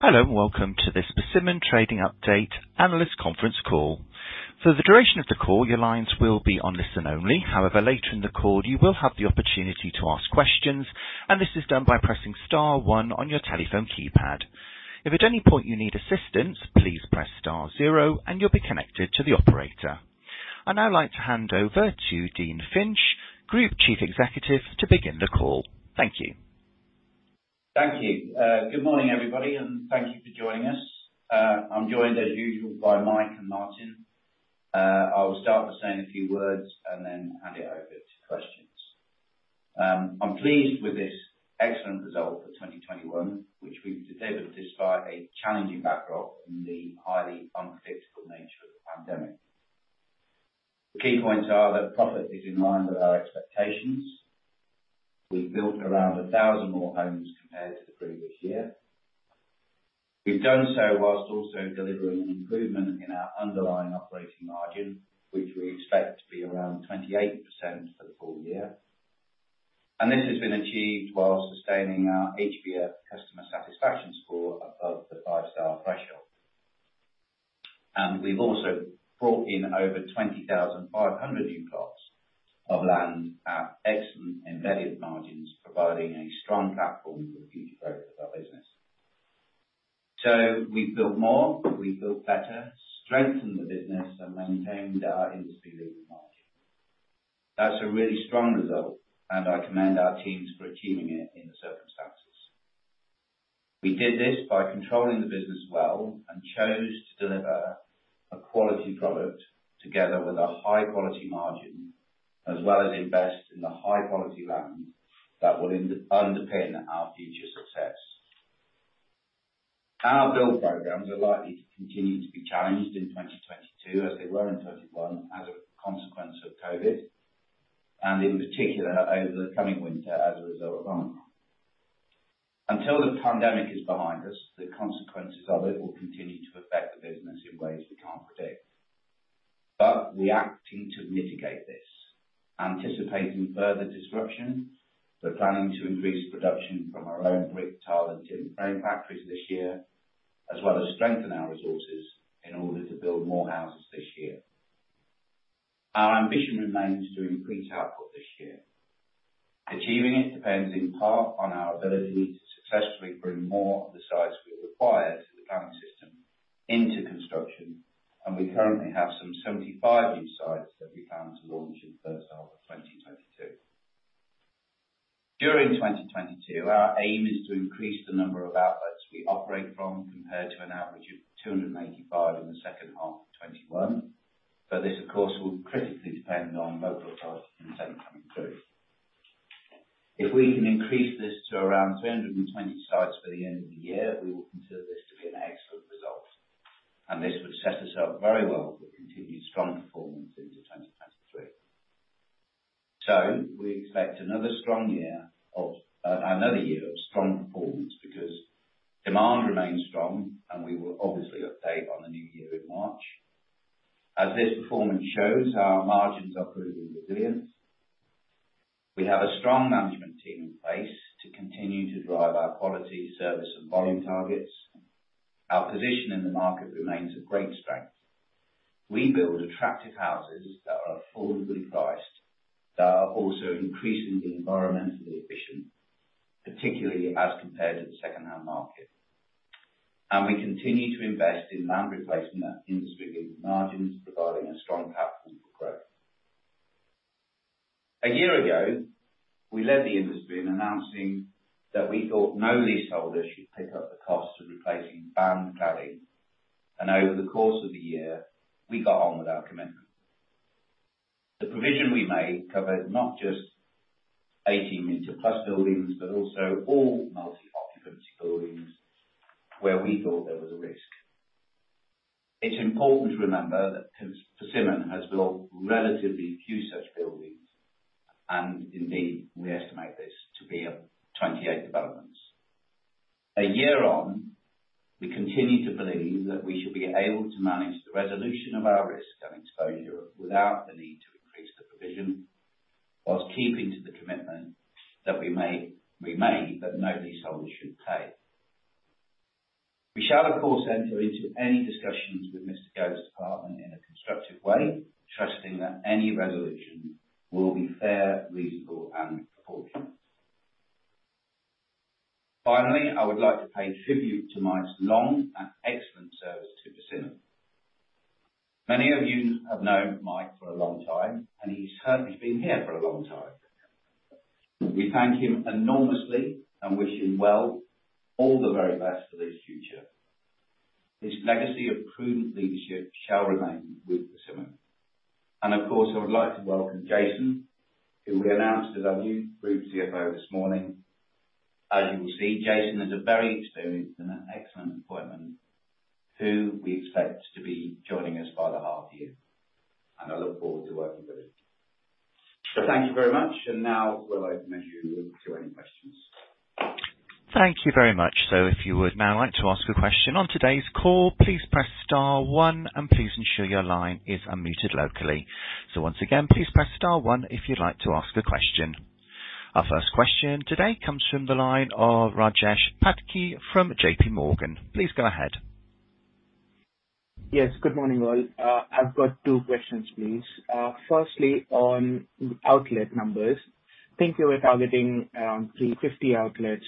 Hello, and welcome to this Persimmon Trading Update Analyst Conference Call. For the duration of the call, your lines will be on listen only. However, later in the call, you will have the opportunity to ask questions, and this is done by pressing star one on your telephone keypad. If at any point you need assistance, please press star zero and you'll be connected to the operator. I'd now like to hand over to Dean Finch, Group Chief Executive, to begin the call. Thank you. Thank you. Good morning, everybody, and thank you for joining us. I'm joined as usual by Mike and Martin. I will start by saying a few words and then hand it over to questions. I'm pleased with this excellent result for 2021, which we've delivered despite a challenging backdrop in the highly unpredictable nature of the pandemic. The key points are that profit is in line with our expectations. We've built around 1,000 more homes compared to the previous year. We've done so while also delivering an improvement in our underlying operating margin, which we expect to be around 28% for the full year. This has been achieved while sustaining our HBF customer satisfaction score above the five-star threshold. We've also brought in over 20,500 new plots of land at excellent embedded margins, providing a strong platform for the future growth of our business. We've built more, we've built better, strengthened the business, and maintained our industry-leading margin. That's a really strong result, and I commend our teams for achieving it in the circumstances. We did this by controlling the business well and chose to deliver a quality product together with a high quality margin, as well as invest in the high quality land that will underpin our future success. Our build programs are likely to continue to be challenged in 2022 as they were in 2021 as a consequence of COVID, and in particular, over the coming winter as a result of Omicron. Until the pandemic is behind us, the consequences of it will continue to affect the business in ways we can't predict. We are acting to mitigate this, anticipating further disruption, but planning to increase production from our own brick, tile, and timber frame factories this year, as well as strengthen our resources in order to build more houses this year. Our ambition remains to increase output this year. Achieving it depends in part on our ability to successfully bring more of the sites we require to the planning system into construction, and we currently have some 75 new sites that we plan to launch in the first half of 2022. During 2022, our aim is to increase the number of outlets we operate from compared to an average of 285 in the second half of 2021. This, of course, will critically depend on local targets in the second half of the group. If we can increase this to around 320 sites by the end of the year, we will consider this to be an excellent result, and this would set us up very well for continued strong performance into 2023. We expect another strong year of strong performance because demand remains strong, and we will obviously update on the new year in March. As this performance shows, our margins are proving resilient. We have a strong management team in place to continue to drive our quality, service, and volume targets. Our position in the market remains a great strength. We build attractive houses that are affordably priced, that are also increasingly environmentally efficient, particularly as compared to the secondhand market. We continue to invest in land replacement at industry-leading margins, providing a strong platform for growth. A year ago, we led the industry in announcing that we thought no leaseholder should pick up the cost of replacing banned cladding. Over the course of the year, we got on with our commitment. The provision we made covered not just 18-meter-plus buildings, but also all multi-occupancy buildings where we thought there was a risk. It's important to remember that Persimmon has built relatively few such buildings, and indeed, we estimate this to be 28 developments. A year on, we continue to believe that we should be able to manage the resolution of our risk and exposure without the need to increase the provision, while keeping to the commitment that we made that no leaseholder should pay. We shall of course enter into any discussions with Mr. Gove's department in a constructive way, trusting that any resolution will be fair, reasonable, and proportionate. Finally, I would like to pay tribute to Mike's long and excellent service to Persimmon. Many of you have known Mike for a long time, and he's been here for a long time. We thank him enormously and wish him well all the very best for his future. His legacy of prudent leadership shall remain with Persimmon. Of course, I would like to welcome Jason, who we announced as our new Group CFO this morning. As you will see, Jason is a very experienced and an excellent appointment who we expect to be joining us by the half year. I look forward to working with him. Thank you very much. Now we'll open up as we move to any questions. Thank you very much. So if you would now like to ask a question on today's call, please press star one and please ensure your line is unmuted locally. So once again, please press star one if you'd like to ask a question. Our first question today comes from the line of Rajesh Patki from JPMorgan. Please go ahead. Yes, good morning all. I've got two questions please. Firstly, on outlet numbers. I think you were targeting around 350 outlets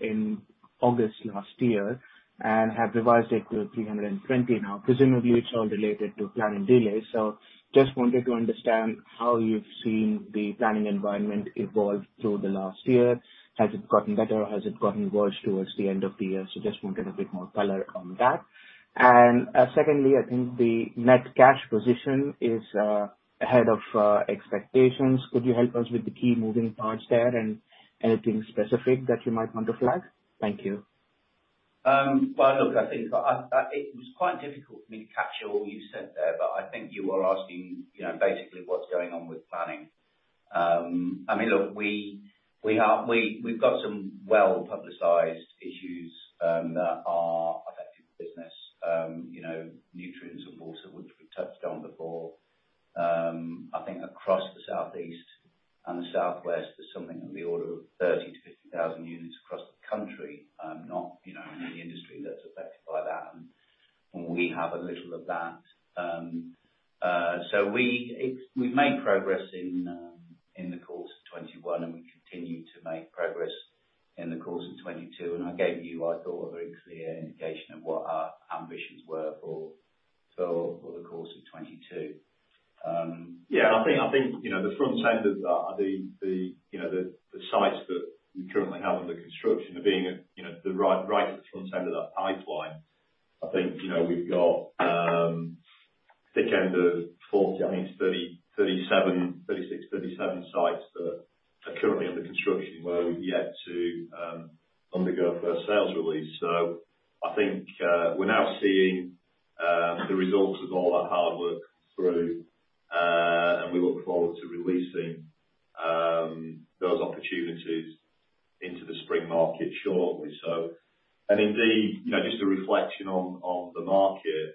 in August last year and have revised it to 320 now. Presumably, it's all related to planning delays, so just wanted to understand how you've seen the planning environment evolve through the last year. Has it gotten better? Has it gotten worse towards the end of the year? Just wanted a bit more color on that. Secondly, I think the net cash position is ahead of expectations. Could you help us with the key moving parts there and anything specific that you might want to flag? Thank you. Well, look, I think it was quite difficult for me to capture all you said there, but I think you were asking, you know, basically what's going on with planning. I mean, look, we've got some well-publicized issues that are affecting the business. You know, nutrients and water, which we touched on before. I think across the Southeast and the Southwest there's something in the order of 30,000-50,000 units across the country, not you know in the industry that's affected by that. We have a little of that. We've made progress in the course of 2021, and we continue to make progress in the course of 2022. I gave you, I thought, a very clear indication of what our ambitions were for the course of 2022. I think the front end of the sites that we currently have under construction are beginning at the right front end of that pipeline. I think we've got the thick end of 40, I mean 37 sites that are currently under construction, where we've yet to undergo a first sales release. I think we're now seeing the results of all that hard work come through. We look forward to releasing those opportunities into the spring market shortly. Indeed, just a reflection on the market,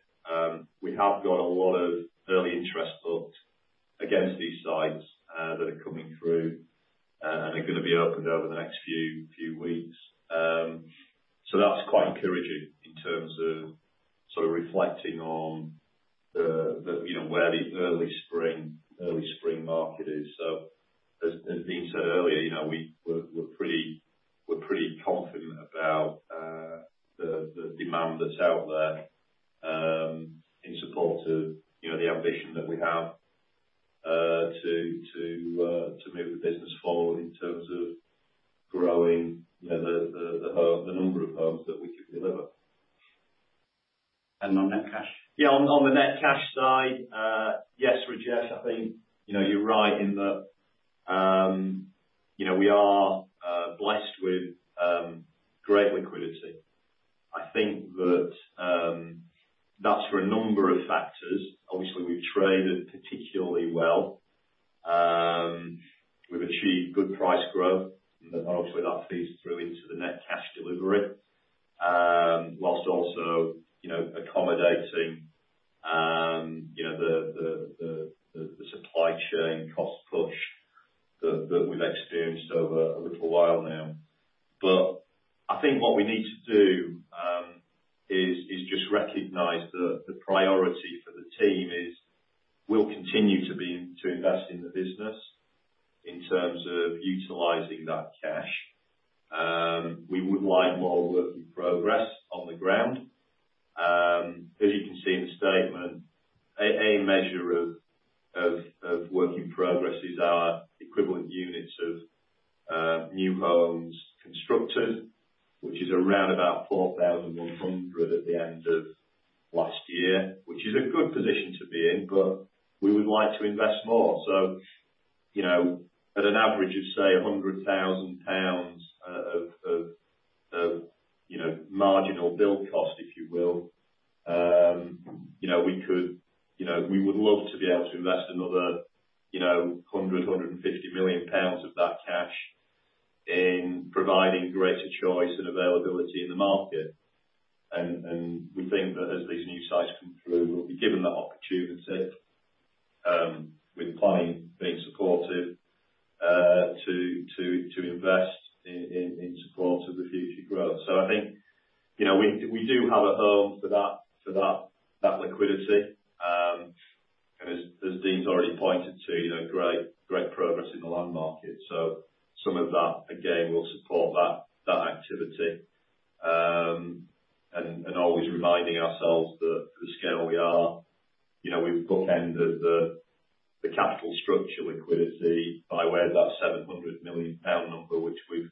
the capital structure liquidity by way of that 700 million pound number, which we've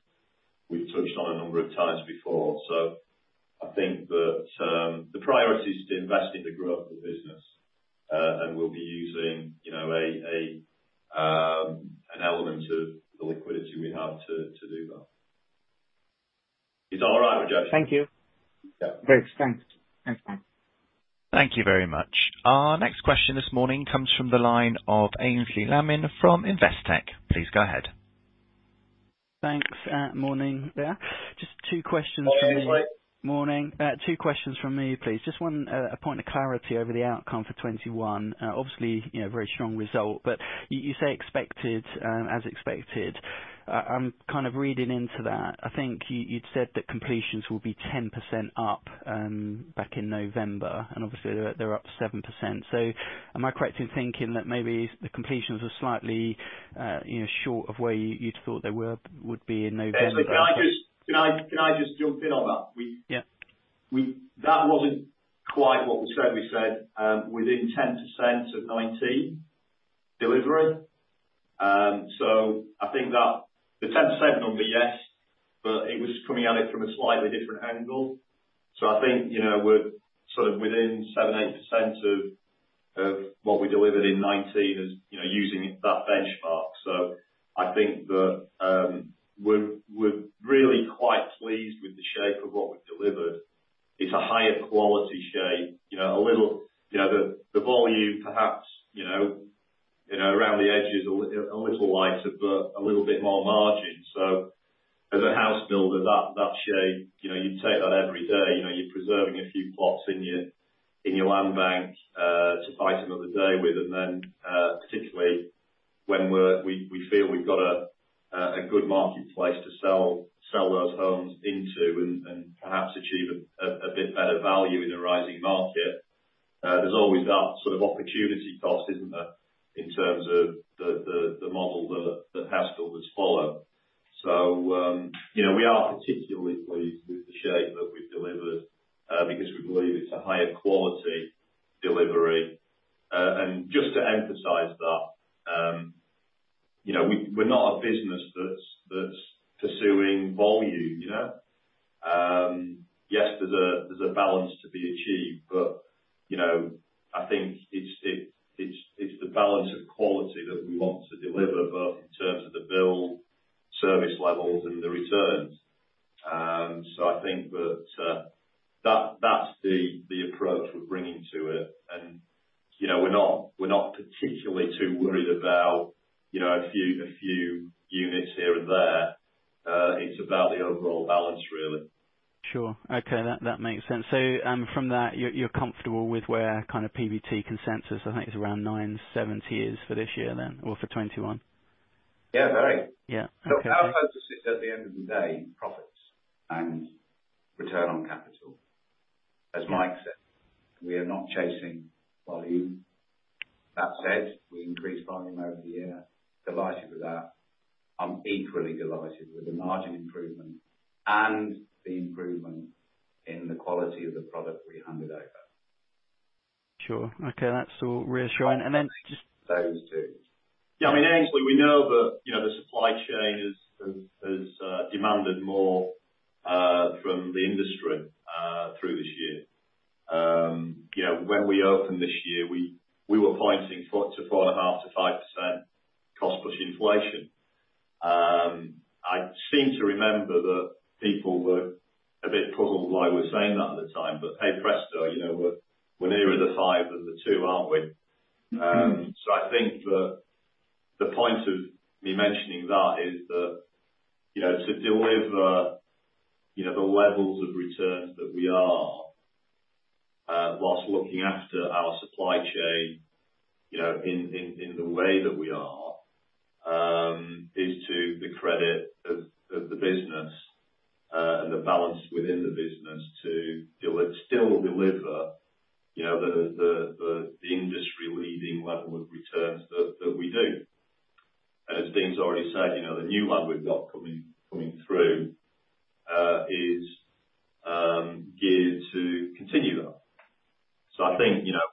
touched on a number of times before. I think that the priority is to invest in the growth of the business, and we'll be using, you know, an element of the liquidity we have to do that. Is that all right, Rajesh? Thank you. Yeah. Great. Thanks. Thanks, guys. Thank you very much. Our next question this morning comes from the line of Aynsley Lammin from Investec. Please go ahead. Thanks. Morning there. Just two questions from me. Morning. Morning. Two questions from me, please. Just one, a point of clarity over the outcome for 2021. Obviously, you know, very strong result, but you say expected, as expected. I'm kind of reading into that. I think you'd said that completions will be 10% up back in November, and obviously they're up 7%. Am I correct in thinking that maybe the completions were slightly, you know, short of where you'd thought they would be in November? Can I just jump in on that? Yeah. That wasn't quite what was said. We said within 10% of 2019 delivery. I think that the 10% number, yes, but it was coming at it from a slightly different angle. I think, you know, we're sort of within 7%-8% of what we delivered in 2019 as, you know, using that benchmark. I think that, we're really quite pleased with the shape of what we've delivered. It's a higher quality shape, you know, a little, you know, the volume perhaps, you know, around the edges a little lighter, but a little bit more margin. As a house builder, that shape, you know, you'd take that every day. You know, you're preserving a few plots in your land bank to fight another day with. particularly when we feel we've got a good marketplace to sell those homes into and perhaps achieve a bit better value in a rising market. There's always that sort of opportunity cost, isn't there, in terms of the in the quality of the product we handed over. Sure. Okay. That's all reassuring. Those two. Yeah, I mean, actually we know the, you know, the supply chain has demanded more from the industry through this year. You know, when we opened this year, we were pointing 4% to 4.5% to 5% cost push inflation. I seem to remember that people were a bit puzzled why we're saying that at the time, but hey, presto, you know, we're nearer the five than the two aren't we? I think the point of me mentioning that is that, you know, to deliver the levels of returns that we are, whilst looking after our supply chain, you know, in the way that we are, is to the credit of the business, and the balance within the business to still deliver, you know, the industry-leading level of returns that we do. As Dean’s already said, you know, the new land we’ve got coming through is geared to continue that. I think, you know,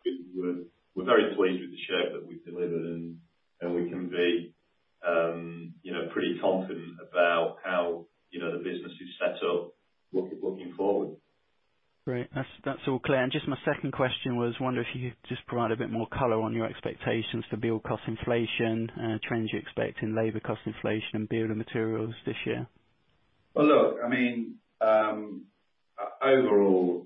we’re very pleased with the shape that we’ve delivered and we can be, you know, pretty confident about how, you know, the business is set up looking forward. Great. That's all clear. Just my second question was, I wonder if you could just provide a bit more color on your expectations for build cost inflation, trends you expect in labor cost inflation and building materials this year? Well, look, I mean, overall,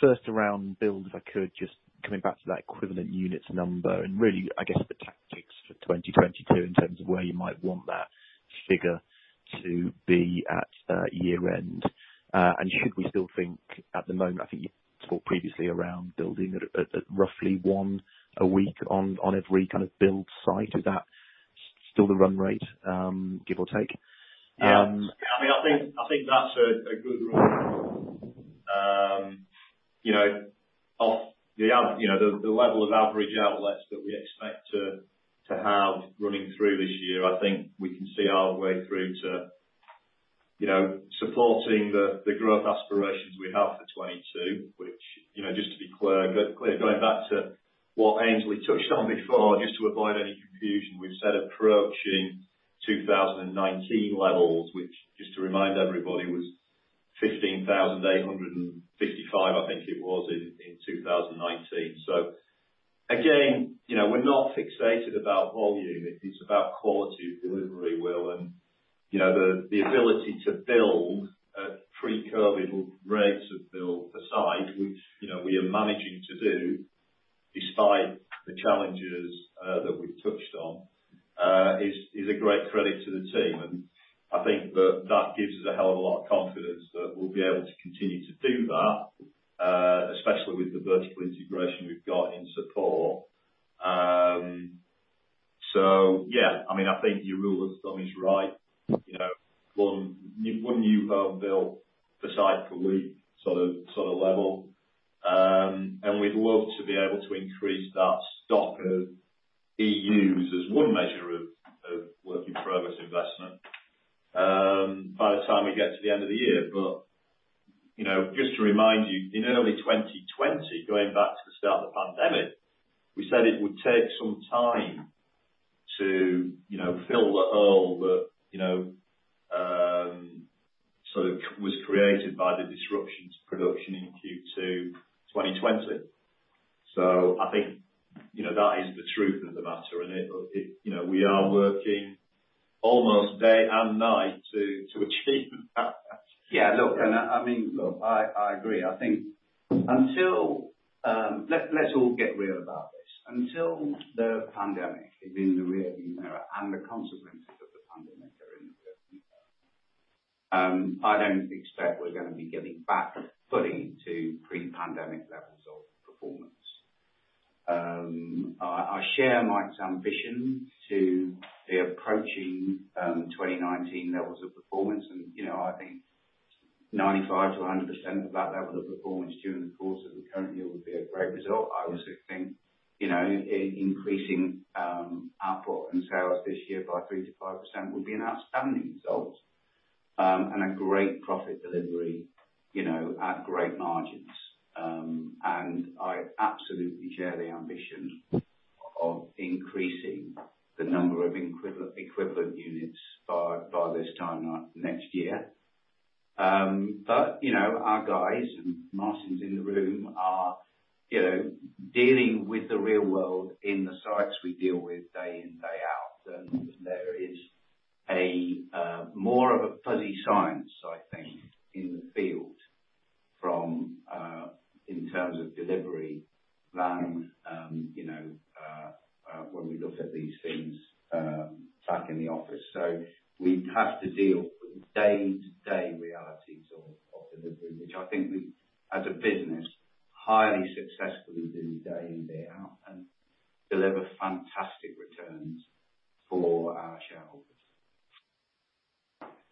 First around build, if I could, just coming back to that equivalent units number and really, I guess, the tactics for 2022 in terms of where you might want that figure to be at year-end. Should we still think at the moment, I think you talked previously around building at roughly one a week on every kind of build site. Is that still the run rate, give or take? Yeah, I mean, I think that's a good rule. You know, the level of average outlets that we expect to have running through this year, I think we can see our way through to supporting the growth aspirations we have for 2022, which, you know, just to be clear, going back to what Aynsley touched on before, just to avoid any confusion, we've said approaching 2019 levels, which just to remind everybody was 15,855, I think it was in 2019. So again, you know, we're not fixated about volume. It is about quality of delivery, Will, and you know the ability to build at pre-COVID rates of build per site, which you know we are managing to do despite the challenges that we've touched on, is a great credit to the team. I think that gives us a hell of a lot of confidence that we'll be able to continue to do that, especially with the vertical integration we've got in support. Yeah, I mean, I think your rule of thumb is right. You know, one new home build per site per week sort of level. We'd love to be able to increase that stock of EUs as one measure of work in progress investment by the time we get to the end of the year. You know, just to remind you, in early 2020, going back to the start of the pandemic, we said it would take some time to, you know, fill the hole that, you know, was created by the disruptions to production in Q2 2020. I think, you know, that is the truth of the matter. We are working almost day and night to achieve that. Yeah, look, I mean, look, I agree. I think until let's all get real about this. Until the pandemic is in the rearview mirror and the consequences of the pandemic are in the rearview mirror, I don't expect we're gonna be getting back fully to pre-pandemic levels of performance. I share Mike's ambition to be approaching 2019 levels of performance. You know, I think 95%-100% of that level of performance during the course of the current year would be a great result. I also think, you know, increasing output and sales this year by 3%-5% would be an outstanding result, and a great profit delivery, you know, at great margins. I absolutely share the ambition of increasing the number of equivalent units by this time next year. you know, our guys, and Martin's in the room, are, you know, dealing with the real world in the sites we deal with day in, day out. There is a more of a fuzzy science, I think, in the field from in terms of delivery than you know when we look at these things back in the office. We have to deal with the day-to-day realities of delivery, which I think we've, as a business, highly successfully do day in, day out, and deliver fantastic returns for our shareholders.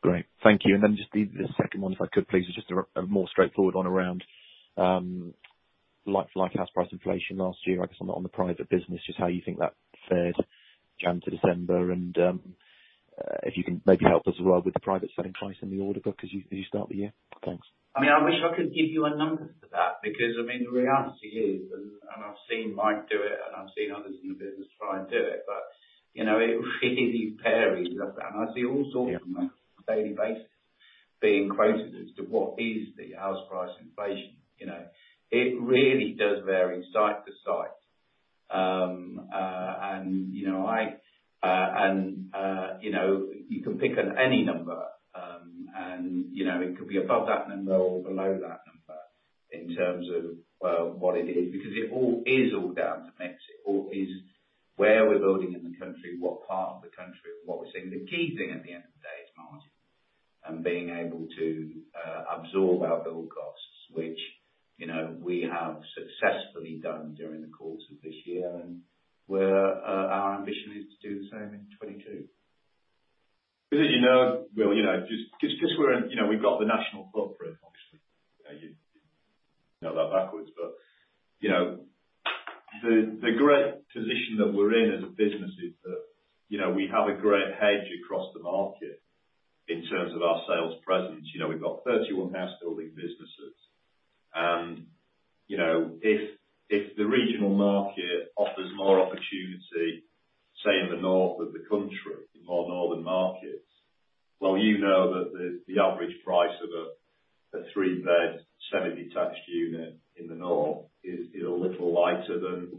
Great. Thank you. Just the second one, if I could please, is just a more straightforward one around like-for-like house price inflation last year. I guess on the private business, just how you think that fared January to December. If you can maybe help us as well with the private selling price in the order book as you start the year. Thanks. I mean, I wish I could give you a number for that because, I mean, the reality is, and I've seen Mike do it, and I've seen others in the business try and do it, but, you know, it really varies. I see all sorts on a daily basis. Being quoted as to what is the house price inflation, you know. It really does vary site to site. You know, you can pick any number, and you know, it could be above that number or below that number in terms of, well, what it is. Because it all is down to mix. It all is where we're building in the country, what part of the country, what we're seeing. The key thing at the end of the day is margin and being able to absorb our build costs, which, you know, we have successfully done during the course of this year, and our ambition is to do the same in 2022. Because you know, Will, you know, we're in a great position. You know, we've got the national footprint, obviously. You know that backwards. You know, the great position that we're in as a business is that, you know, we have a great hedge across the market in terms of our sales presence. You know, we've got 31 house building businesses. You know, if the regional market offers more opportunity, say, in the north of the country, more northern markets, well, you know that the average price of a three-bed, semi-detached unit in the north is, you know, a little lighter than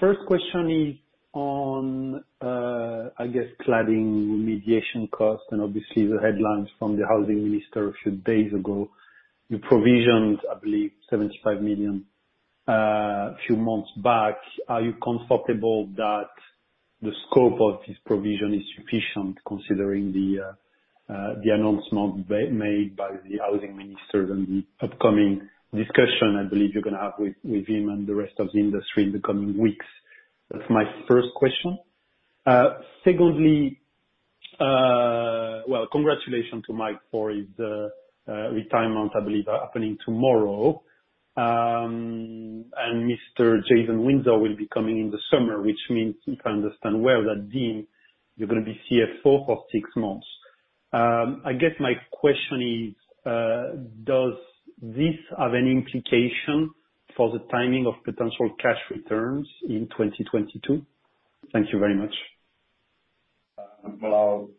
First question is on, I guess cladding remediation costs and obviously the headlines from the housing minister a few days ago. You provisioned, I believe, 75 million, a few months back. Are you comfortable that the scope of this provision is sufficient considering the announcement made by the housing minister and the upcoming discussion I believe you're gonna have with him and the rest of the industry in the coming weeks? That's my first question. Secondly, well, congratulations to Mike for his retirement, I believe happening tomorrow. Mr. Jason Windsor will be coming in the summer, which means if I understand well that, Dean, you're gonna be CFO for six months. I guess my question is, does this have any implication for the timing of potential cash returns in 2022? Thank you very much. Well,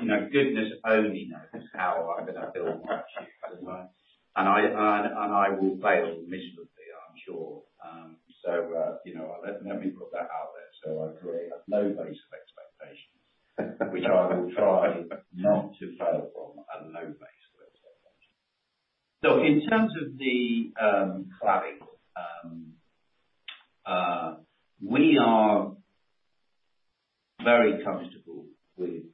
you know, goodness only knows how I'm gonna fill my shoes, as am I. I will fail miserably, I'm sure. You know, let me put that out there, so I create a low base of expectation. Which I will try not to fail from a low base of expectation. In terms of the cladding, we are very comfortable with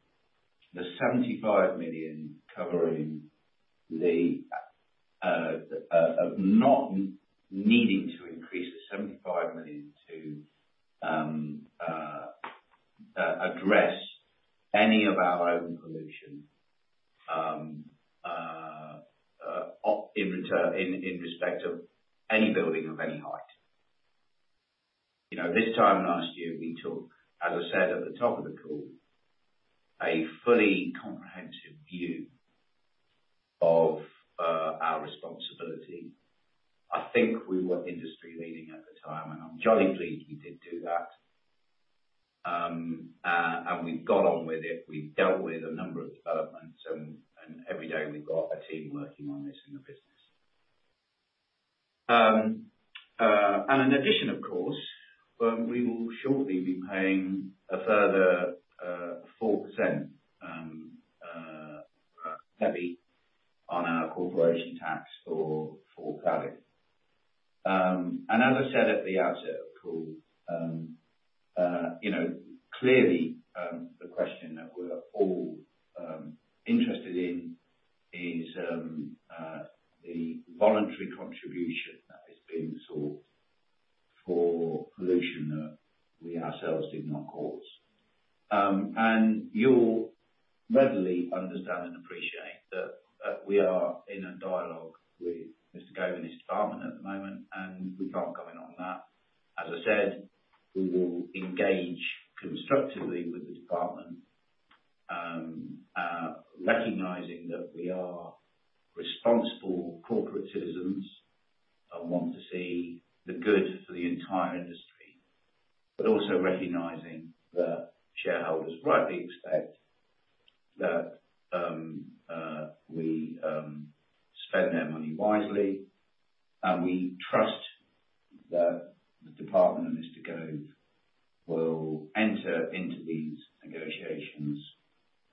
the 75 million covering the of not needing to increase the 75 million to address any of our own remediation in return, in respect of any building of any height. You know, this time last year we took, as I said at the top of the call, a fully comprehensive view of our responsibility. I think we were industry leading at the time, and I'm jolly pleased we did do that. And we've got on with it. We've dealt with a number of developments and every day we've got a team working on this in the business. And in addition, of course, we will shortly be paying a further 4% levy on our corporation tax for cladding. And as I said at the outset, of course, you know, clearly, the question that we're all interested in is the voluntary contribution that is being sought for remediation that we ourselves did not cause. And you'll readily understand and appreciate that we are in a dialogue with Mr. Gove and his department at the moment, and we can't comment on that. As I said, we will engage constructively with the department, recognizing that we are responsible corporate citizens and want to see the good for the entire industry. Also recognizing that shareholders rightly expect that we spend their money wisely. We trust that the department and Mr. Gove will enter into these negotiations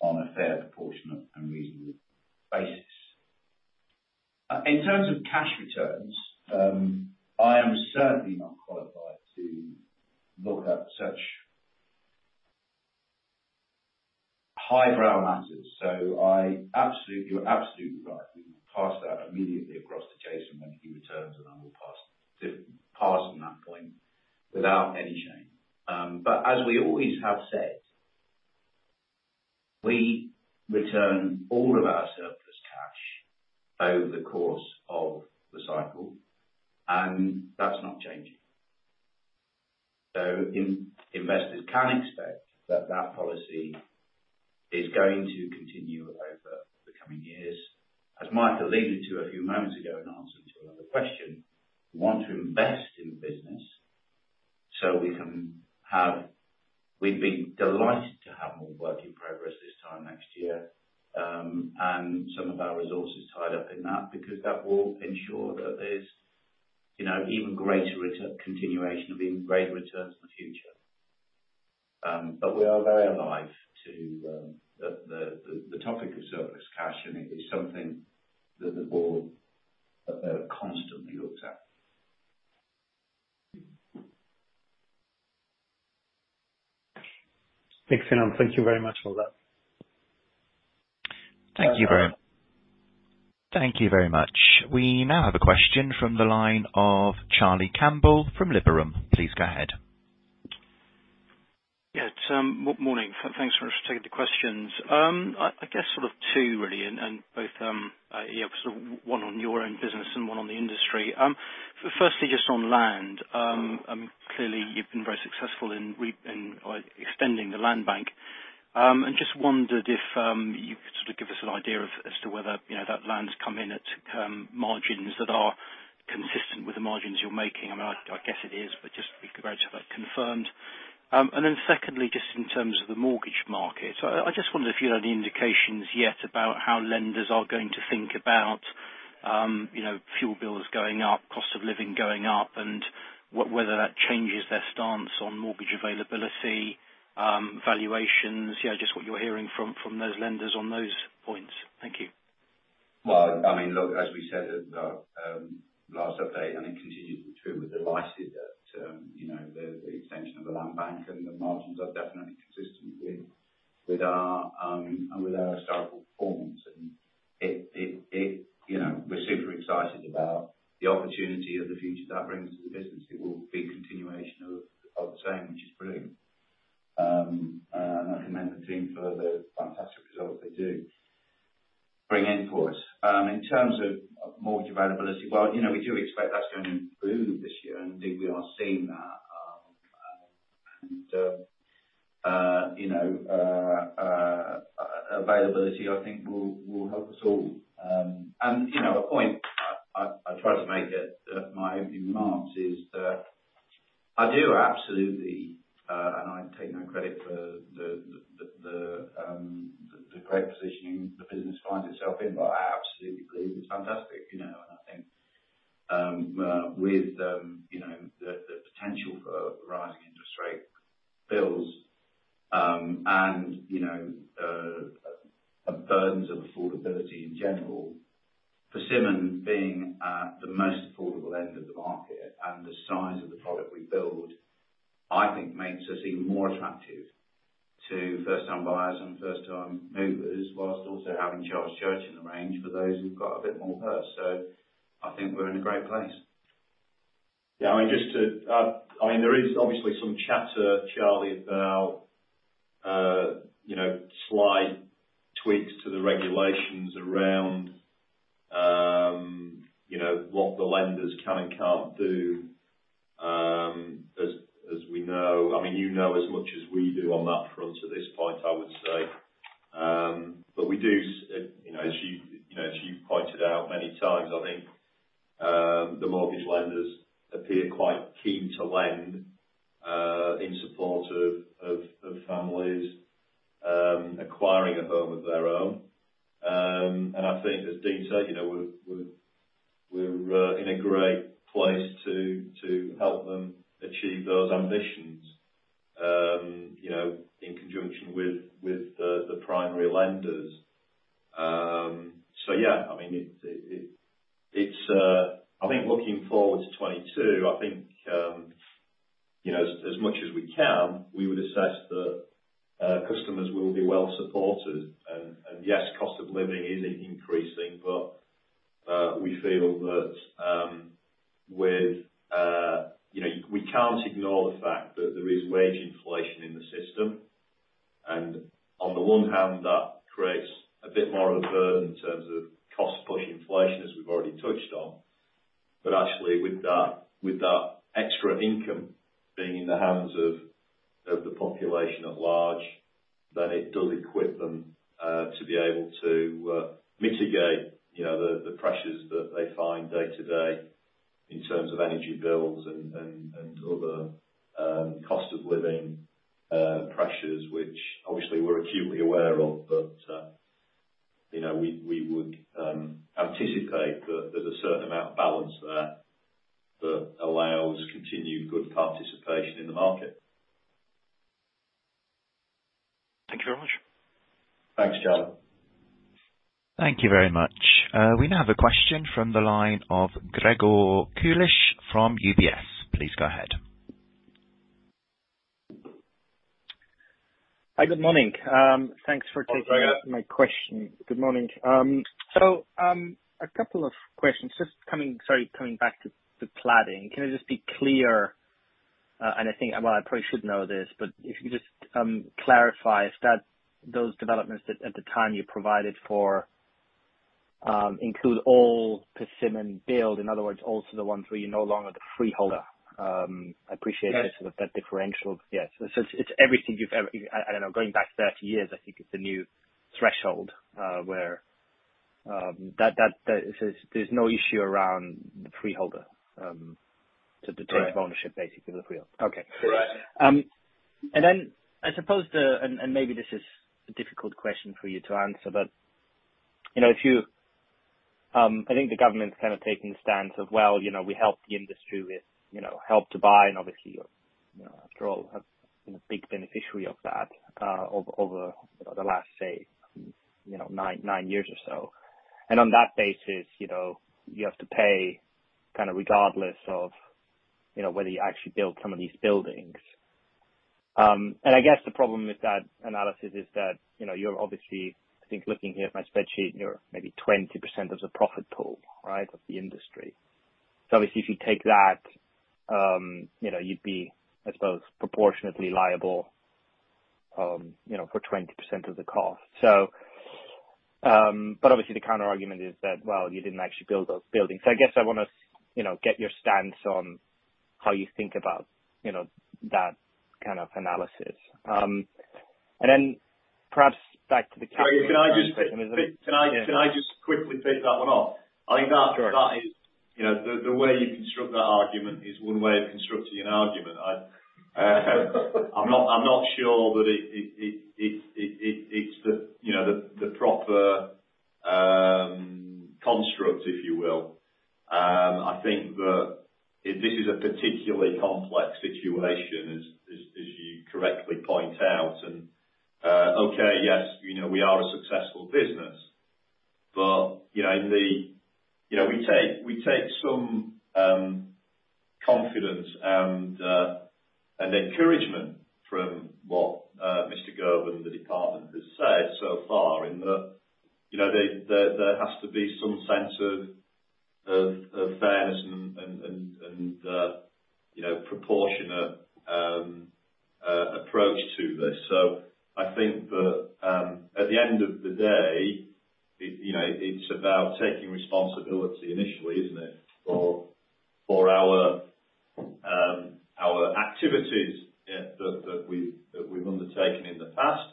on a fair, proportionate, and reasonable basis. In terms of cash returns, I am certainly not qualified to look at such highbrow matters. You're absolutely right. We will pass that immediately across to Jason when he returns, and I will pass from that point without any shame. As we always have said, we return all of our surplus cash over the course of the cycle, and that's not changing. Investors can expect that policy is going to continue over the coming years. As Michael alluded to a few moments ago in answer to another question, we want to invest in the business. We'd be delighted to have more work in progress this time next year, and some of our resources tied up in that because that will ensure that there's, you know, even greater continuation of even greater returns in the future. We are very alive to the topic of surplus cash, and it is something that the board constantly looks at. Thanks, Finch. Thank you very much for that. Thank you very- Thank you very much. We now have a question from the line of Charlie Campbell from Liberum. Please go ahead. Yeah, Tom. Morning. Thanks very much for taking the questions. I guess sort of two really, and both, you know, sort of one on your own business and one on the industry. Firstly, just on land, clearly you've been very successful in extending the land bank. Just wondered if you could sort of give us an idea of as to whether, you know, that land's come in at margins that are consistent with the margins you're making. I mean, I guess it is, but just be great to have that confirmed. Secondly, just in terms of the mortgage market, I just wondered if you had any indications yet about how lenders are going to think about, you know, fuel bills going up, cost of living going up, and whether that changes their stance on mortgage availability, valuations. Yeah, just what you're hearing from those lenders on those points. Thank you. Well, I mean, look, as we said at our last update, it continues to be true. We're delighted that, you know, the extension of the land bank and the margins are definitely consistent with our historical performance. It, you know, we're super excited about the opportunity of the future that brings to the business. It will be a continuation of the same, which is brilliant. I commend the team for the fantastic results they do bring in for us. In terms of mortgage availability, well, you know, we do expect that's going to improve this year, and indeed we are seeing that. Availability I think will help us all. You know, a point I tried to make at my opening remarks is that I do absolutely, and I take no credit for the great positioning the business finds itself in, but I absolutely believe it's fantastic, you know. I think with you know, the potential for rising interest rate bills, and you know, burdens of affordability in general, Persimmon being at the most affordable end of the market and the size of the product we build, I think makes us even more attractive to first-time buyers and first-time movers, while also having Charles Church in the range for those who've got a bit more purse. I think we're in a great place. Yeah, I mean, just to, I mean, there is obviously some chatter, Charlie, about, you know, slight tweaks to the regulations around, you know, what the lenders can and can't do. As we know, I mean, you know as much as we do on that front at this point, I would say. We do, you know, as you pointed out many times, I think, the mortgage lenders appear quite keen to lend in support of families acquiring a home of their own. I think as Dean said, you know, we're in a great place to help them achieve those ambitions, you know, in conjunction with the primary lenders. Yeah, I mean, it's. I think looking forward to 2022, as much as we can, we would assess that customers will be well supported. Yes, cost of living is increasing, but we feel that with we can't ignore the fact that there is wage inflation in the system. On the one hand, that creates a bit more of a burden in terms of cost-push inflation, as we've already touched on. Actually with that extra income being in the hands of the population at large, then it does equip them to be able to mitigate the pressures that they find day to day in terms of energy bills and other cost of living pressures, which obviously we're acutely aware of. You know, we would anticipate that there's a certain amount of balance there that allows continued good participation in the market. Thank you very much. Thanks, Charlie. Thank you very much. We now have a question from the line of Gregor Kuglitsch from UBS. Please go ahead. Hi, good morning. Thanks for taking- Hi, Gregor. My question. Good morning. A couple of questions. Just coming back to cladding. Can I just be clear, and I think well, I probably should know this, but if you could just clarify if that, those developments that at the time you provided for include all Persimmon build, in other words, also the ones where you're no longer the freeholder. I appreciate if- Yes. You can give us that differential. Yes. It's, I don't know, going back 30 years, I think, is the new threshold, where that. There's no issue around the freeholder. Right. The joint ownership basically with the freeholder. Okay. Right. Maybe this is a difficult question for you to answer. I think the government's kind of taking the stance of well, you know, we helped the industry with, you know, Help to Buy and obviously, you know, after all, have been a big beneficiary of that, over, you know, the last say, you know, nine years or so. On that basis, you know, you have to pay kinda regardless of, you know, whether you actually build some of these buildings. I guess the problem with that analysis is that, you know, you're obviously, I think looking here at my spreadsheet, you're maybe 20% of the profit pool, right, of the industry. Obviously if you take that, you know, you'd be, I suppose, proportionately liable, you know, for 20% of the cost. Obviously the counterargument is that, well, you didn't actually build those buildings. I guess I wanna, you know, get your stance on how you think about, you know, that kind of analysis. Then perhaps back to the capital- Gregor, can I just. Question. Yeah. Can I just quickly take that one on? I think that. Sure. That is, you know, the way you construct that argument is one way of constructing an argument. I'm not sure that it's the, you know, the proper construct, if you will. I think that this is a particularly complex situation as you correctly point out. Okay, yes, you know, we are a successful business, but, you know, in the. You know, we take some confidence and encouragement from what Mr. Gove and the department has said so far in that, you know, there has to be some sense of fairness and, you know, proportionate approach to this. I think that, at the end of the day, it, you know, it's about taking responsibility initially, isn't it, for our activities that we've undertaken in the past.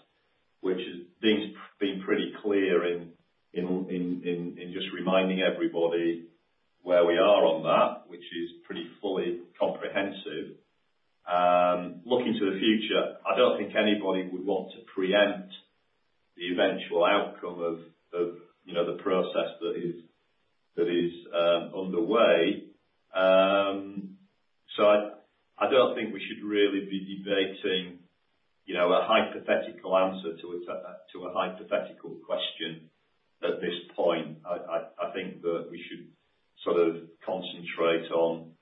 Dean's been pretty clear in just reminding everybody where we are on that, which is pretty fully comprehensive. Looking to the future, I don't think anybody would want to preempt the eventual outcome of, you know, the process that is underway. I don't think we should really be debating, you know, a hypothetical answer to a hypothetical question at this point. I think that we should sort of concentrate on,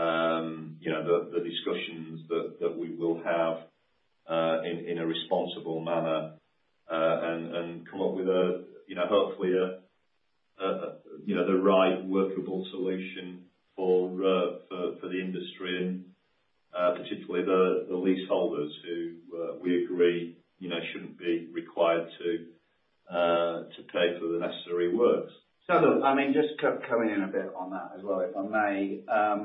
you know, the discussions that we will have in a responsible manner, and come up with, you know, hopefully the right workable solution for the industry and particularly the leaseholders who we agree, you know, shouldn't be required to pay for the necessary works. Look, I mean, just coming in a bit on that as well, if I may. I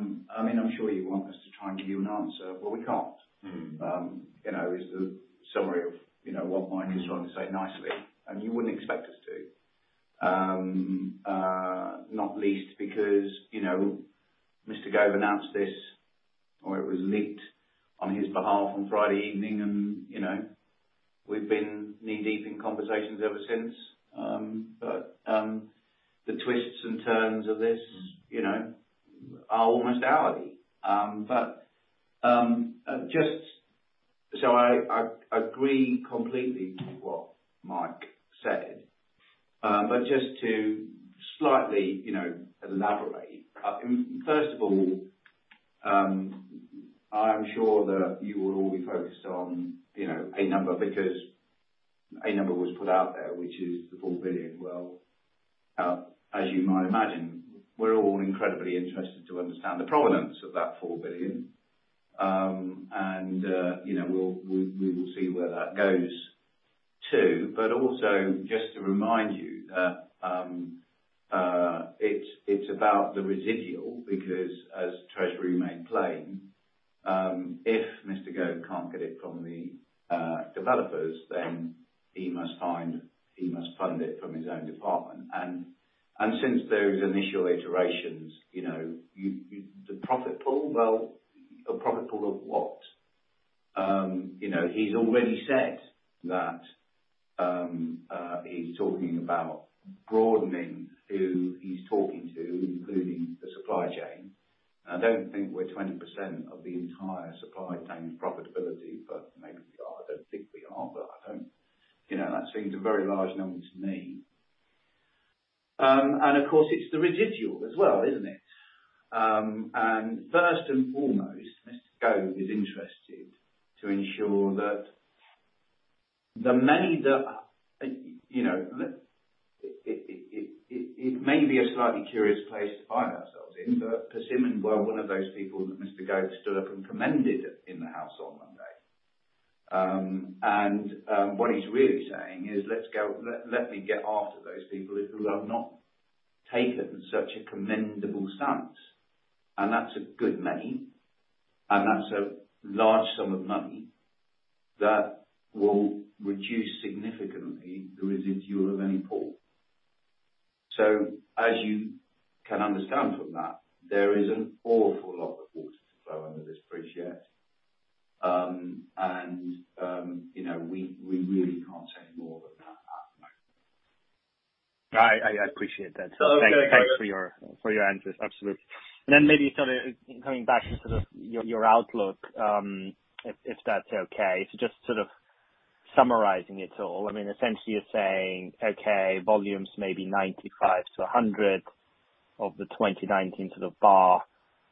mean, I'm sure you want us to try and give you an answer, but we can't. Mm-hmm. You know, this is the summary of, you know, what Mike is trying to say nicely, and you wouldn't expect us to, not least because, you know, Mr. Gove announced this or it was leaked on his behalf on Friday evening and, you know, we've been knee-deep in conversations ever since, the twists and turns of this. Mm. You know, are almost hourly. I agree completely with what Mike said. Just to slightly, you know, elaborate. First of all, I am sure that you will all be focused on, you know, a number because a number was put out there, which is 4 billion. Well, as you might imagine, we're all incredibly interested to understand the provenance of that 4 billion. You know, we will see where that goes, too. Also, just to remind you that it's about the residual because as the Treasury may claim, if Mr. Gove can't get it from the developers, then he must fund it from his own department. Since those initial iterations, you know, you. The profit pool? Well, a profit pool of what? You know, he's already said that, he's talking about broadening who he's talking to, including the supply chain. I don't think we're 20% of the entire supply chain's profitability, but maybe we are. I don't think we are, but I don't. You know, that seems a very large number to me. Of course, it's the residual as well, isn't it? First and foremost, Mr. Gove is interested to ensure that the many that, you know. It may be a slightly curious place to find ourselves in, but Persimmon were one of those people that Mr. Gove stood up and commended in the House on Monday. What he's really saying is, "Let's go. Let me get after those people who have not taken such a commendable stance." That's a good many, and that's a large sum of money that will reduce significantly the residual of any pool. As you can understand from that, there is an awful lot of water to flow under this bridge yet. You know, we really can't say more than that at the moment. I appreciate that. Gregor- Thanks for your answers. Absolutely. Then maybe sort of coming back to sort of your outlook, if that's okay. Just sort of summarizing it all. I mean, essentially you're saying, okay, volumes may be 95%-100% of the 2019 sort of bar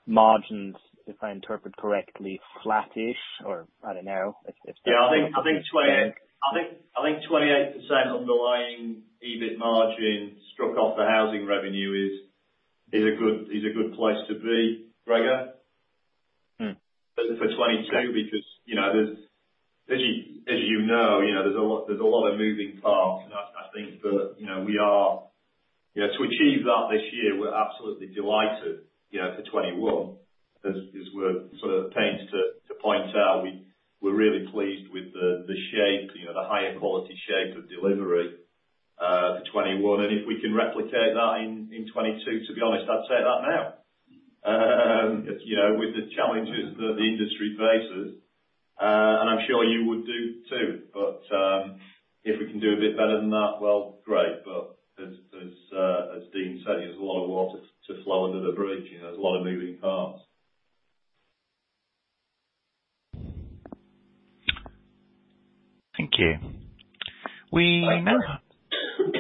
margins, if I interpret correctly, flattish or I don't know if that- Yeah, I think 28% underlying EBIT margin struck off the housing revenue is a good place to be, Gregor. Mm. For 2022, because, you know, there's a lot of moving parts. As you know, there's a lot of moving parts. I think that, you know, to achieve that this year, we're absolutely delighted, you know, for 2021, as we're at pains to point out. We're really pleased with the shape, you know, the higher quality shape of delivery for 2021. If we can replicate that in 2022, to be honest, I'd take that now. As you know, with the challenges that the industry faces, and I'm sure you would do too. If we can do a bit better than that, well, great. But as Dean said, there's a lot of water to flow under the bridge. You know, there's a lot of moving parts. Thank you.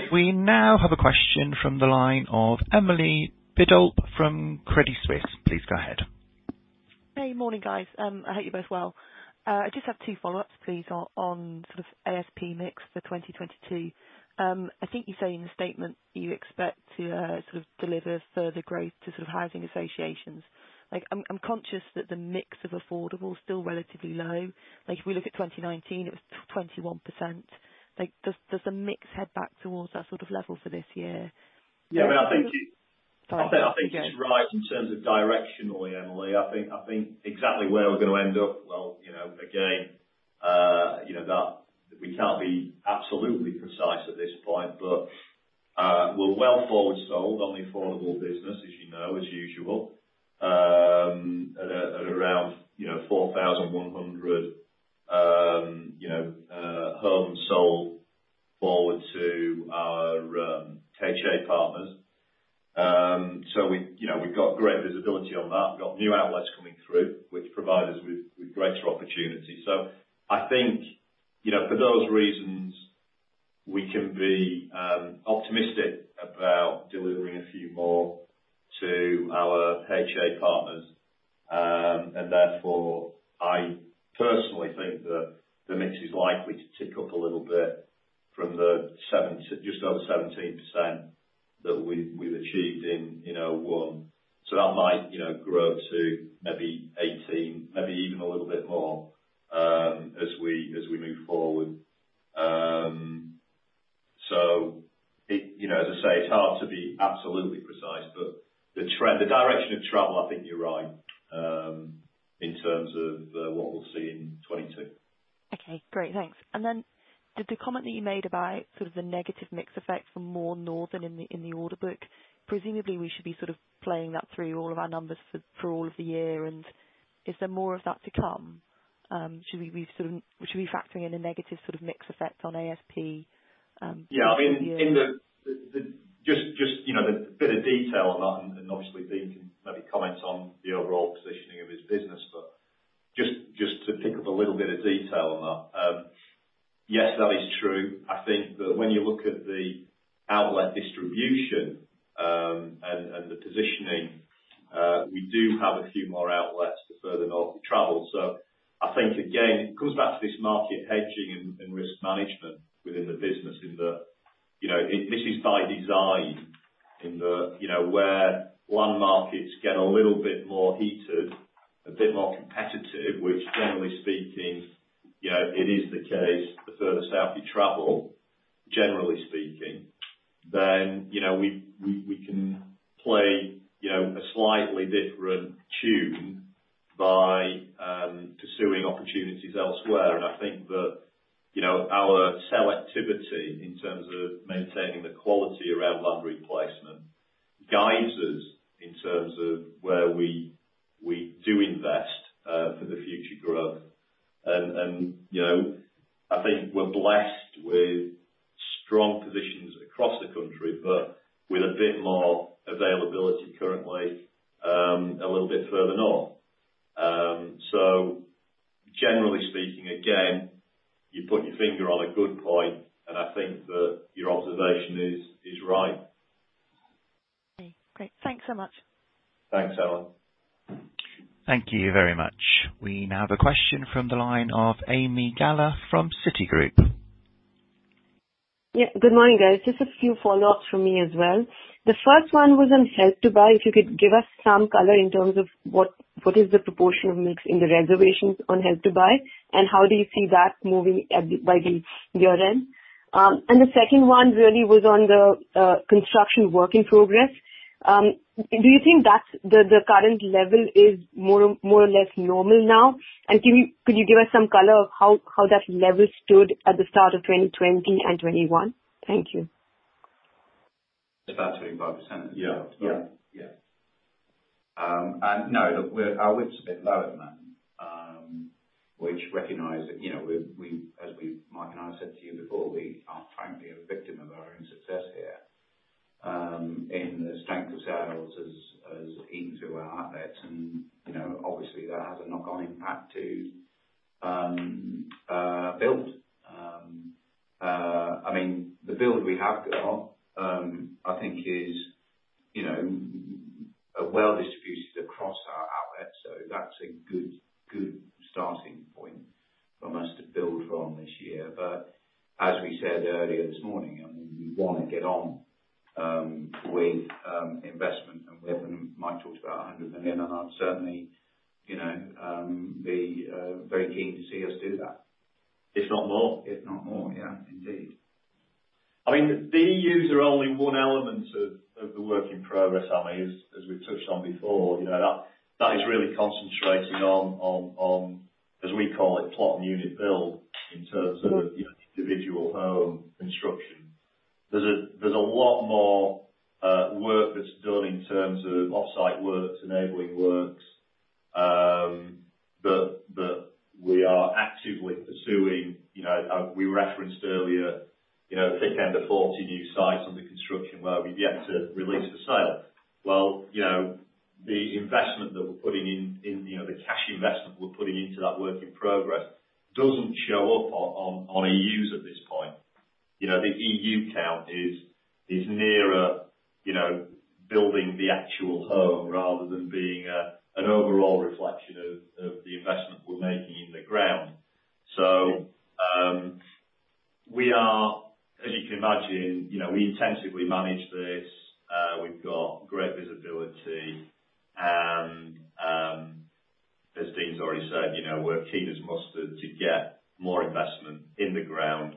We now have a question from the line of Emily Biddulph from Credit Suisse. Please go ahead. Hey, morning, guys. I hope you're both well. I just have two follow-ups, please, on sort of ASP mix for 2022. I think you say in the statement that you expect to sort of deliver further growth to sort of housing associations. Like, I'm conscious that the mix of affordable is still relatively low. Like, if we look at 2019, it was 21%. Like, does the mix head back towards that sor t of level for this year? Yeah, I think it Sorry. I think it's right in terms of directionally, Emily. I think exactly where we're gonna end up, well, you know, again, that we can't be absolutely precise at this point, but we're well forward sold on the affordable business, as you know, as usual. At around 4,100 homes sold forward to our HA partners. So we, you know, we've got great visibility on that. We've got new outlets coming through, which provide us with greater opportunity. I think, you know, for those reasons, we can be optimistic about delivering a few more to our HA partners. Therefore, I personally think that the mix is likely to tick up a little bit from just over 17%. That we've achieved in Q1. So that might, you know, grow to maybe 18, maybe even a little bit more, as we move forward. You know, as I say, it's hard to be absolutely precise, but the trend, the direction of travel, I think you're right, in terms of what we'll see in 2022. Okay, great. Thanks. Then did the comment that you made about sort of the negative mix effect from more northern in the order book, presumably we should be sort of playing that through all of our numbers for all of the year, and is there more of that to come? Should we be factoring in a negative sort of mix effect on ASP through the year? Yeah, I mean, just, you know, the bit of detail on that, and obviously Dean can maybe comment on the overall positioning of his business, but just to pick up a little bit of detail on that. Yes, that is true. I think that when you look at the outlet distribution, and the positioning, we do have a few more outlets the further north you travel. I think, again, it comes back to this market hedging and risk management within the business in that, you know, it, this is by design in that, you know, where one markets get a little bit more heated, a bit more competitive, which generally speaking, you know, it is the case the further south you travel, generally speaking, then, you know, we can play, you know, a slightly different tune by pursuing opportunities elsewhere. I think that, you know, our selectivity in terms of maintaining the quality around land replacement guides us in terms of where we do invest for the future growth. And you know, I think we're blessed with strong positions across the country, but with a bit more availability currently, a little bit further north. Generally speaking, again, you put your finger on a good point, and I think that your observation is right. Okay, great. Thanks so much. Thanks, Ellen. Thank you very much. We now have a question from the line of Ami Galla from Citigroup. Yeah. Good morning, guys. Just a few follow-ups from me as well. The first one was on Help to Buy. If you could give us some color in terms of what is the proportion of mix in the reservations on Help to Buy, and how do you see that moving by the year end? And the second one really was on the construction work in progress. Do you think that's the current level is more or less normal now? And could you give us some color of how that level stood at the start of 2020 and 2021? Thank you. About 25%. Yeah. No, look, our width's a bit lower than that, which we recognize that, you know, we're. As Mike and I said to you before, we are frankly a victim of our own success here in the strength of sales as in through our outlets and, you know, obviously that has a knock-on impact to build. I mean, the build we have got, I think is, you know, well distributed across our outlets, so that's a good starting point for us to build from this year. As we said earlier this morning, I mean, we wanna get on with investment, and Mike talked about 100 million and that, certainly, you know, very keen to see us do that. If not more. If not more. Yeah, indeed. I mean, EUs are only one element of the work in progress, Amy. As we touched on before, you know, that is really concentrating on, as we call it, plot and unit build in terms of- Mm-hmm. You know, individual home construction. There's a lot more work that's done in terms of offsite works, enabling works, that we are actively pursuing. You know, we referenced earlier, you know, thick end of 40 new sites under construction, where we've yet to release for sale. Well, you know, the investment that we're putting in, you know, the cash investment we're putting into that work in progress doesn't show up on EUs at this point. You know, the EU count is nearer, you know, building the actual home rather than being an overall reflection of the investment we're making in the ground. We are, as you can imagine, you know, we intensively manage this. We've got great visibility. As Dean's already said, you know, we're keen as mustard to get more investment in the ground,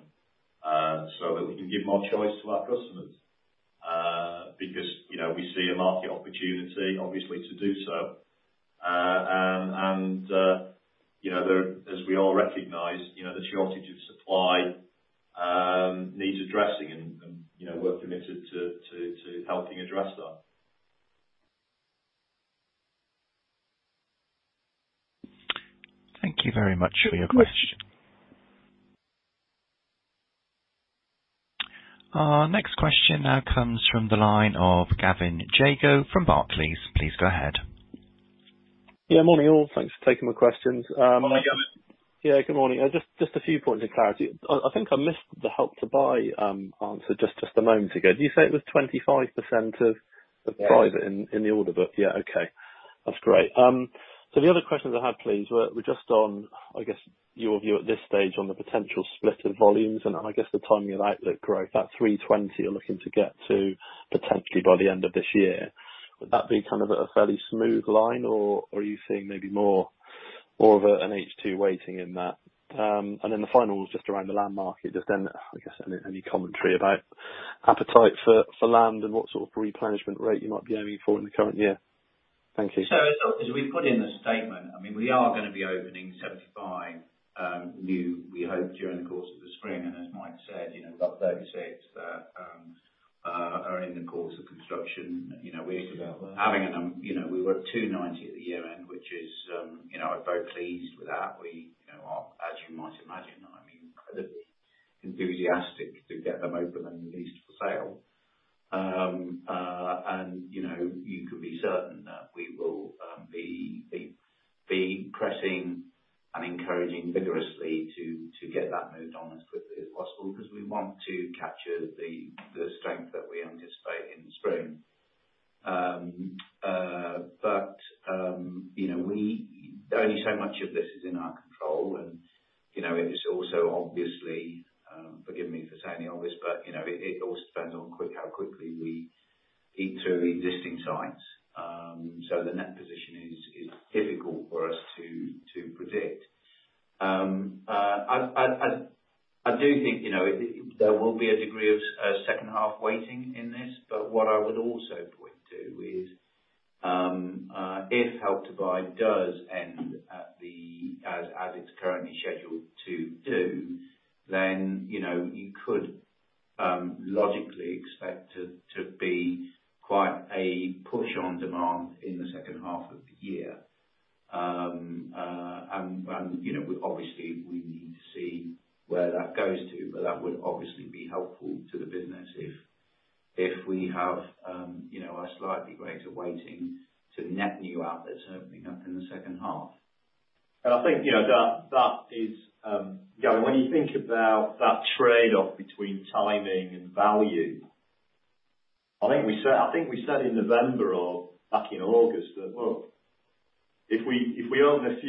so that we can give more choice to our customers, because, you know, we see a market opportunity obviously to do so. You know, there, as we all recognize, you know, the shortage of supply needs addressing and, you know, we're committed to helping address that. Thank you very much for your question. Sure. Our next question now comes from the line of Gavin Jago from Barclays. Please go ahead. Yeah. Morning, all. Thanks for taking the questions. Morning, Gavin. Yeah. Good morning. Just a few points of clarity. I think I missed the Help to Buy answer just a moment ago. Did you say it was 25% of- Yeah. The pipeline in the order book? Yeah. Okay. That's great. So the other questions I had, please, were just on, I guess, your view at this stage on the potential split of volumes and I guess the timing of outlet growth, that 320 you're looking to get to potentially by the end of this year. Would that be kind of a fairly smooth line or are you seeing maybe more of an H2 weighting in that? And then the final is just around the land market. Just then, I guess, any commentary about appetite for land and what sort of replenishment rate you might be aiming for in the current year. Thank you. As we've put in the statement, I mean, we are gonna be opening 75 new, we hope, during the course of the spring. As Mike said, you know, about 36 are in the course of construction. You know, having them, we were at 290 at the year end, we're very pleased with that. We are, as you might imagine, I mean, incredibly enthusiastic to get them open and released for sale. You know, you can be certain that we will be pressing and encouraging vigorously to get that moved on as quickly as possible because we want to capture the strength that we anticipate in the spring. Only so much of this is in our control and, you know, it is also obviously, forgive me for saying the obvious, but, you know, it all depends on how quickly we eat through existing sites. So the net position is difficult for us to predict. I do think, you know, there will be a degree of second half weighting in this, but what I would also point to is, if Help to Buy does end as it's currently scheduled to do, then, you know, you could logically expect quite a push on demand in the second half of the year. You know, obviously, we need to see where that goes to, but that would obviously be helpful to the business if we have, you know, a slightly greater weighting to net new outlets opening up in the second half. I think, you know, that is, when you think about that trade-off between timing and value, I think we said in November or back in August that, well, if we own a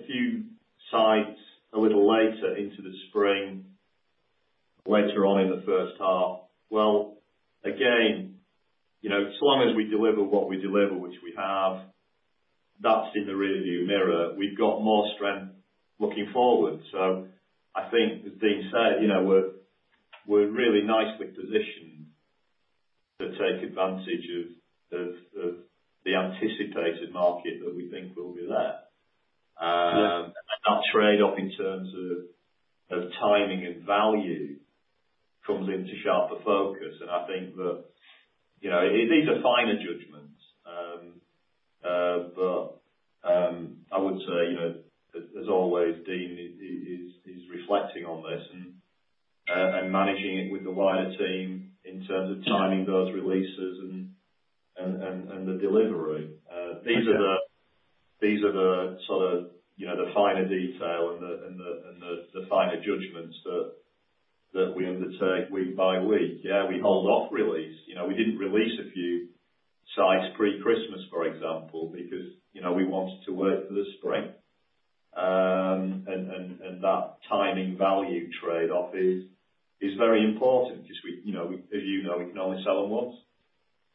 few sites a little later into the spring, later on in the first half, well, again, you know, so long as we deliver what we deliver, which we have, that's in the rearview mirror. We've got more strength looking forward. I think as Dean said, you know, we're really nicely positioned to take advantage of the anticipated market that we think will be there. That trade-off in terms of timing and value comes into sharper focus, and I think that, you know, these are finer judgments. I would say, you know, as always, Dean is reflecting on this and managing it with the wider team in terms of timing those releases and the delivery. These are the sort of, you know, the finer detail and the finer judgments that we undertake week by week. Yeah, we hold off release. You know, we didn't release a few sites pre-Christmas, for example, because, you know, we wanted to work for the spring. That timing value trade-off is very important because we, you know, as you know, we can only sell them once.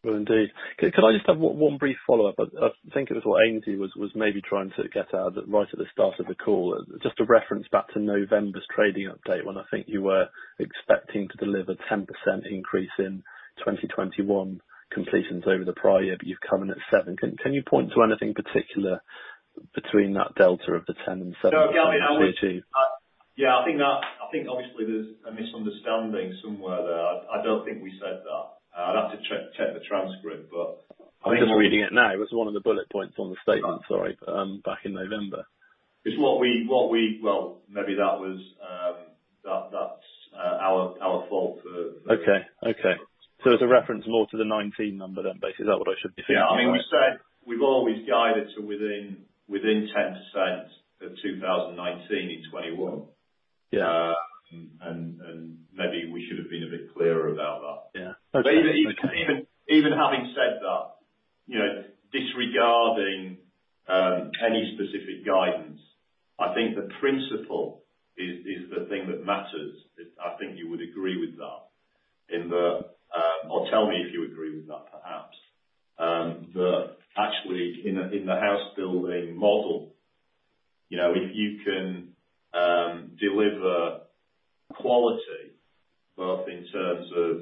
Well, indeed. Can I just have one brief follow-up? I think it was what Aynsley was maybe trying to get out right at the start of the call. Just a reference back to November's trading update when I think you were expecting to deliver 10% increase in 2021 completions over the prior year, but you've come in at 7. Can you point to anything particular between that delta of the 10 and 7? No, Gavin, yeah, I think obviously there's a misunderstanding somewhere there. I don't think we said that. I'd have to check the transcript, but. I'm just reading it now. It was one of the bullet points on the statement, sorry, back in November. It's what we. Well, maybe that was, that's our fault for for- As a reference more to the 2019 number than, basically. Is that what I should be thinking about? Yeah. I mean, we've said we've always guided to within 10% of 2019 in 2021. Yeah. Maybe we should have been a bit clearer about that. Yeah. Okay. Even having said that, you know, disregarding any specific guidance, I think the principle is the thing that matters. I think you would agree with that. Or tell me if you agree with that, perhaps. Actually in the house building model, you know, if you can deliver quality, both in terms of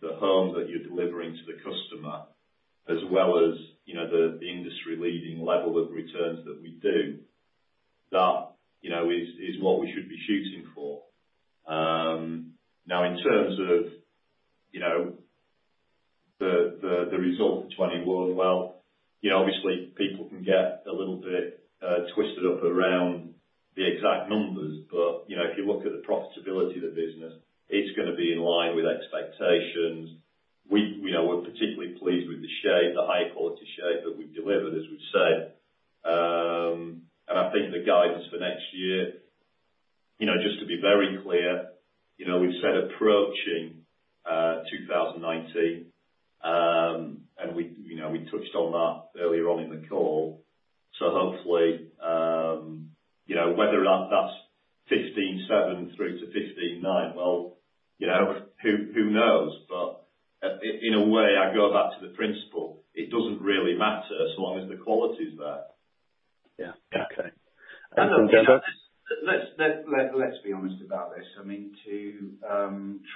the homes that you're delivering to the customer, as well as, you know, the industry leading level of returns that we do, that, you know, is what we should be shooting for. Now in terms of, you know, the result for 2021, well, you know, obviously people can get a little bit twisted up around the exact numbers. You know, if you look at the profitability of the business, it's gonna be in line with expectations. We are particularly pleased with the shape, the high-quality shape that we've delivered, as we've said. You know, just to be very clear, you know, we've said approaching 2019, and we, you know, we touched on that earlier on in the call. Hopefully, you know, whether or not that's 157 through to 159, well, you know, who knows? In a way, I go back to the principle, it doesn't really matter so long as the quality's there. Yeah. Okay. Let's be honest about this. I mean, to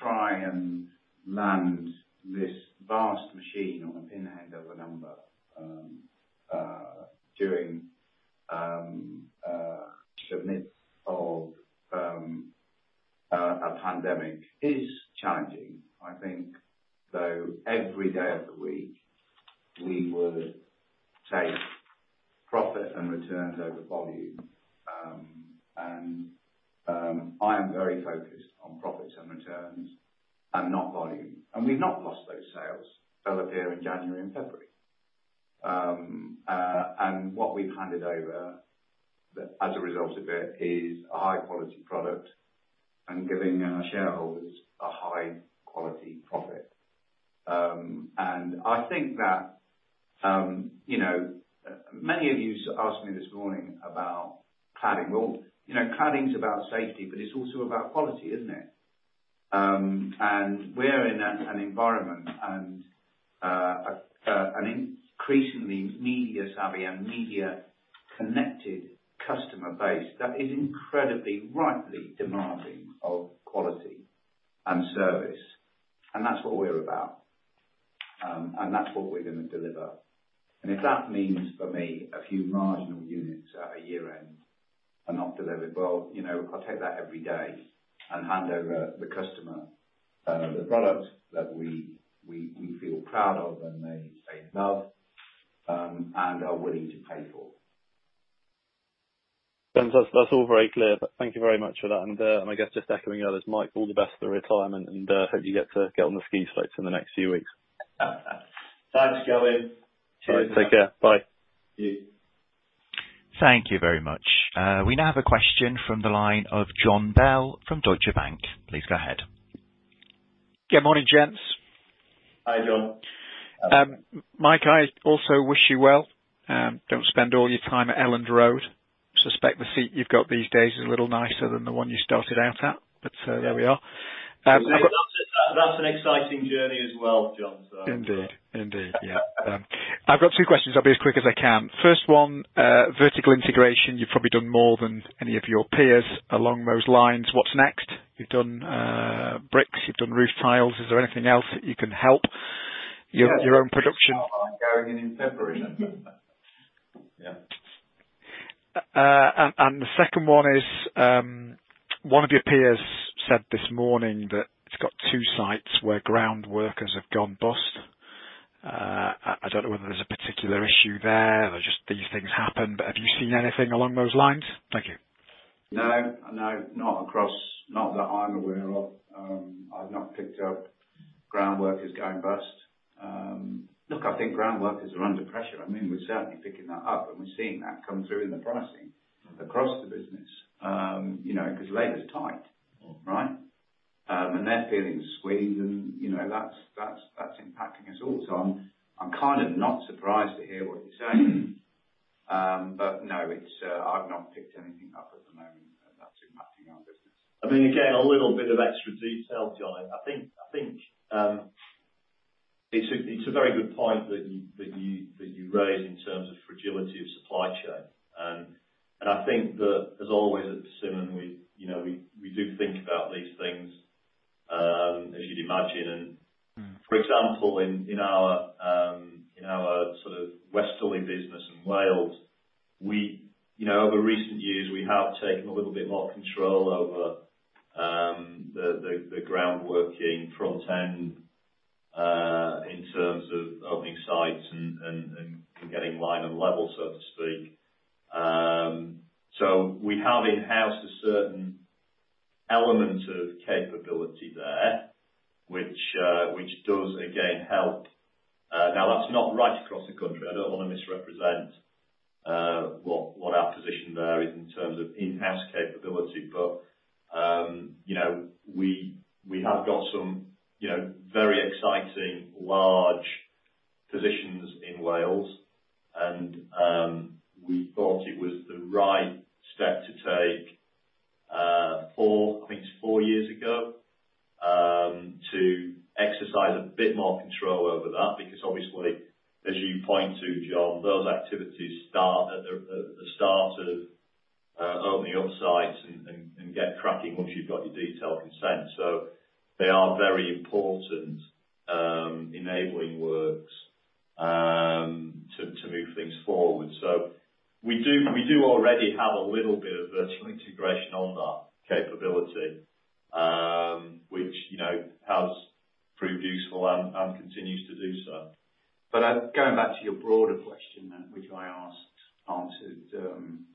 try and land this vast machine on the pinhead of a number during the midst of a pandemic is challenging. I think, though, every day of the week we would take profit and returns over volume. I am very focused on profits and returns and not volume. We've not lost those sales. They'll appear in January and February. What we've handed over as a result of it is a high quality product and giving our shareholders a high quality profit. I think that you know, many of you asked me this morning about cladding. Well, you know, cladding is about safety, but it's also about quality, isn't it? We're in an environment and an increasingly media savvy and media connected customer base that is incredibly, rightly demanding of quality and service. That's what we're about. That's what we're gonna deliver. If that means for me a few marginal units at a year-end are not delivered, well, you know, I'll take that every day and hand over to the customer the product that we feel proud of and they love, and are willing to pay for. That's all very clear. Thank you very much for that. I guess just echoing others, Mike, all the best for retirement and hope you get on the ski slopes in the next few weeks. Thanks, Gavin. Cheers. Take care. Bye. See you. Thank you very much. We now have a question from the line of Jon Bell from Deutsche Bank. Please go ahead. Good morning, gents. Hi, Jon. Mike, I also wish you well. Don't spend all your time at Elland Road. Suspect the seat you've got these days is a little nicer than the one you started out at, but, there we are. That's an exciting journey as well, Jon, so Indeed. Yeah. I've got two questions. I'll be as quick as I can. First one, vertical integration. You've probably done more than any of your peers along those lines. What's next? You've done bricks, you've done roof tiles. Is there anything else that you can do to help your own production? Going in February. Yeah. The second one is, one of your peers said this morning that it's got two sites where groundworkers have gone bust. I don't know whether there's a particular issue there or just these things happen, but have you seen anything along those lines? Thank you. No, no, not across, not that I'm aware of. I've not picked up groundworkers going bust. Look, I think groundworkers are under pressure. I mean, we're certainly picking that up, and we're seeing that come through in the pricing across the business, you know, because labor's tight, right? They're feeling squeezed and, you know, that's impacting us all. I'm kind of not surprised to hear what you're saying. No, I've not picked anything up at the moment that's impacting our business. I mean, again, a little bit of extra detail, Jon. I think it's a very good point that you raise in terms of fragility of supply chain. I think that as always at Persimmon, you know, we do think about these things, as you'd imagine. For example, in our sort of westerly business in Wales, you know, over recent years, we have taken a little bit more control over the groundworks front end in terms of opening sites and getting line and level, so to speak. So we have in-house a certain element of capability there, which does again help. Now that's not right across the country. I don't want to misrepresent what our position there is in terms of in-house capability. You know, we have got some, you know, very exciting large positions in Wales and we thought it was the right step to take four, I think it's four years ago, to exercise a bit more control over that. Because obviously, as you point to John, those activities start at the start of opening up sites and get cracking once you've got your detailed consent. They are very important enabling works to move things forward. We do already have a little bit of vertical integration on that capability, which, you know, has proved useful and continues to do so. Going back to your broader question then, which I asked and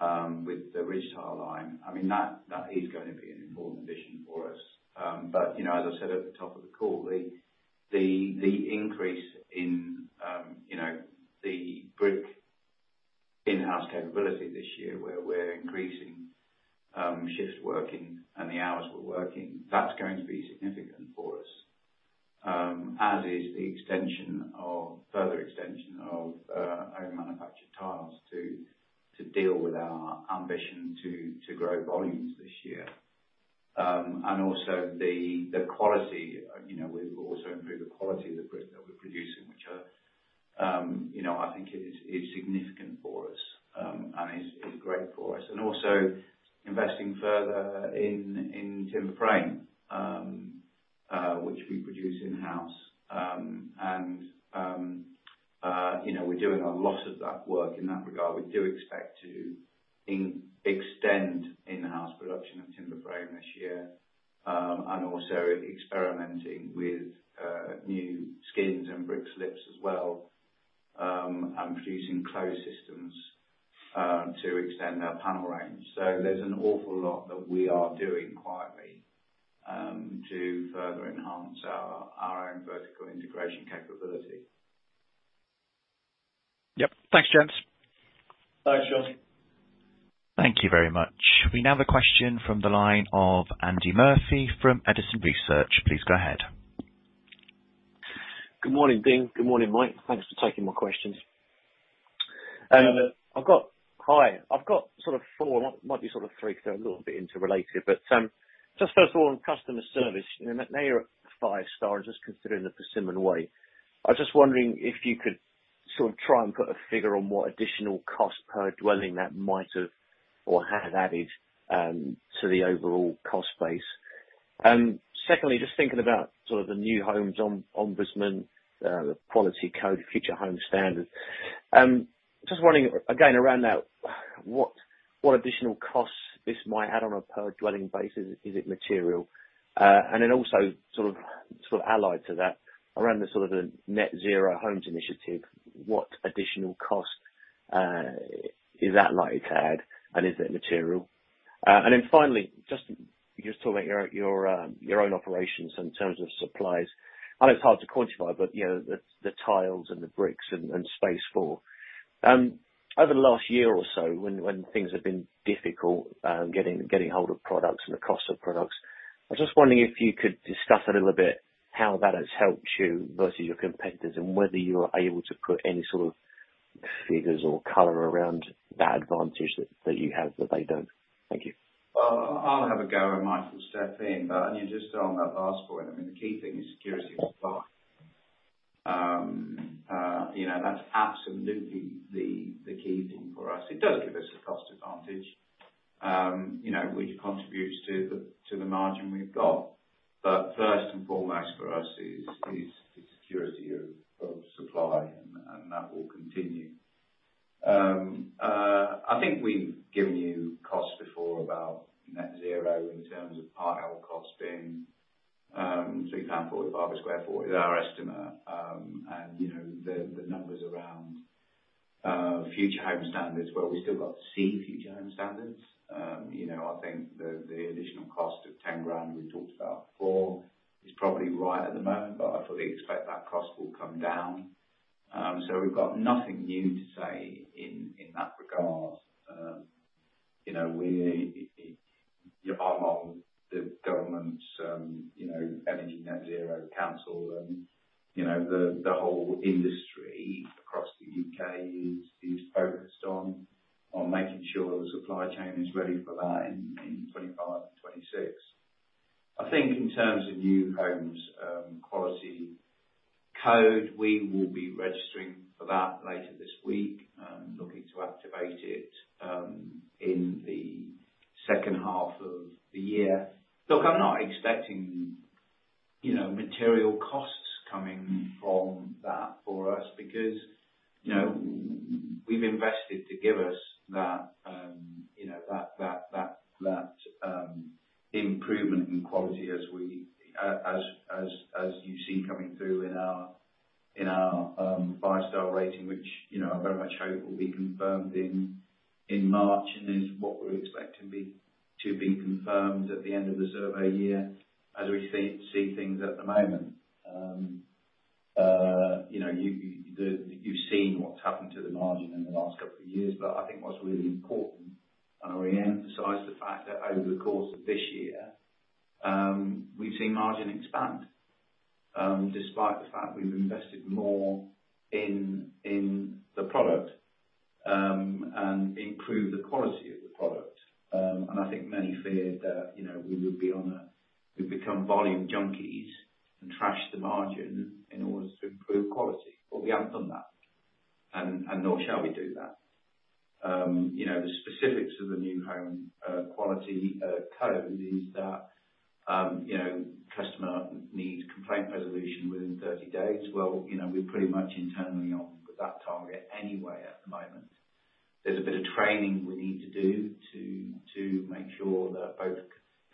answered with the ridge tile line. I mean, that is going to be an important addition for us. You know, as I said at the top of the call, the increase in, you know, the brick in-house capability this year, where we're increasing shifts working and the hours we're working, that's going to be significant for us. As is the further extension of in-house manufactured tiles to deal with our ambition to grow volumes this year. And also the quality. You know, we've also improved the quality of the brick that we're producing, which, you know, I think is significant for us, and is great for us. Also investing further in timber frame, which we produce in-house. You know, we're doing a lot of that work in that regard. We do expect to extend in-house production of timber frame this year, and also experimenting with new skins and brick slips as well, and producing closed systems to extend our panel range. There's an awful lot that we are doing quietly to further enhance our own vertical integration capability. Yep. Thanks, gents. Thanks, Jon. Thank you very much. We now have a question from the line of Andy Murphy from Edison Group. Please go ahead. Good morning, Dean. Good morning, Mike. Thanks for taking my questions. I've got sort of four, might be sort of three if they're a little bit interrelated. Just first of all, on customer service, you know, now you're a five-star, and just considering the Persimmon Way, I was just wondering if you could sort of try and put a figure on what additional cost per dwelling that might have or have added to the overall cost base. Secondly, just thinking about sort of the New Homes Ombudsman, the New Homes Quality Code, Future Homes Standard. Just wondering again around that, what additional costs this might add on a per dwelling basis. Is it material? And then also sort of allied to that, around the sort of net zero homes initiative, what additional cost is that likely to add, and is it material? And then finally, just you were just talking about your own operations in terms of supplies, I know it's hard to quantify, but you know, the tiles and the bricks and Space4. Over the last year or so when things have been difficult, getting hold of products and the cost of products, I was just wondering if you could discuss a little bit how that has helped you versus your competitors and whether you are able to put any sort of figures or color around that advantage that you have that they don't. Thank you. Well, I'll have a go and Mike will step in. Only just on that last point, I mean, the key thing is security of supply. You know, that's absolutely the key thing for us. It does give us a cost advantage, you know, which contributes to the margin we've got. First and foremost for us is the security of supply, and that will continue. I think we've given you costs before about net zero in terms of Part L cost being 3,045 pound per sq ft is our estimate. You know, the numbers around Future Homes Standard, well, we've still got to see Future Homes Standard. You know, I think the additional cost of 10,000 we talked about before is probably right at the moment, but I fully expect that cost will come down. We've got nothing new to say in that regard. You know, I'm on the government energy net zero council. You know, the whole industry across the U.K. is focused on making sure the supply chain is ready for that in 2025 and 2026. I think in terms of New Homes Quality Code, we will be registering for that later this week. Looking to activate it in the second half of the year. Look, I'm not expecting, you know, material costs coming from that for us because, you know, we've invested to give us that improvement in quality as you've seen coming through in our five-star rating, which, you know, I very much hope will be confirmed in March and is what we expect to be confirmed at the end of the survey year as we see things at the moment. You know, you've seen what's happened to the margin in the last couple of years. I think what's really important, and I re-emphasize the fact that over the course of this year, we've seen margin expand, despite the fact we've invested more in the product, and improved the quality of the product. I think many feared that, you know, we would become volume junkies and trash the margin in order to improve quality. We haven't done that and nor shall we do that. You know, the specifics of the New Homes Quality Code is that, you know, customer complaints need resolution within 30 days. Well, you know, we're pretty much internally on that target anyway at the moment. There's a bit of training we need to do to make sure that both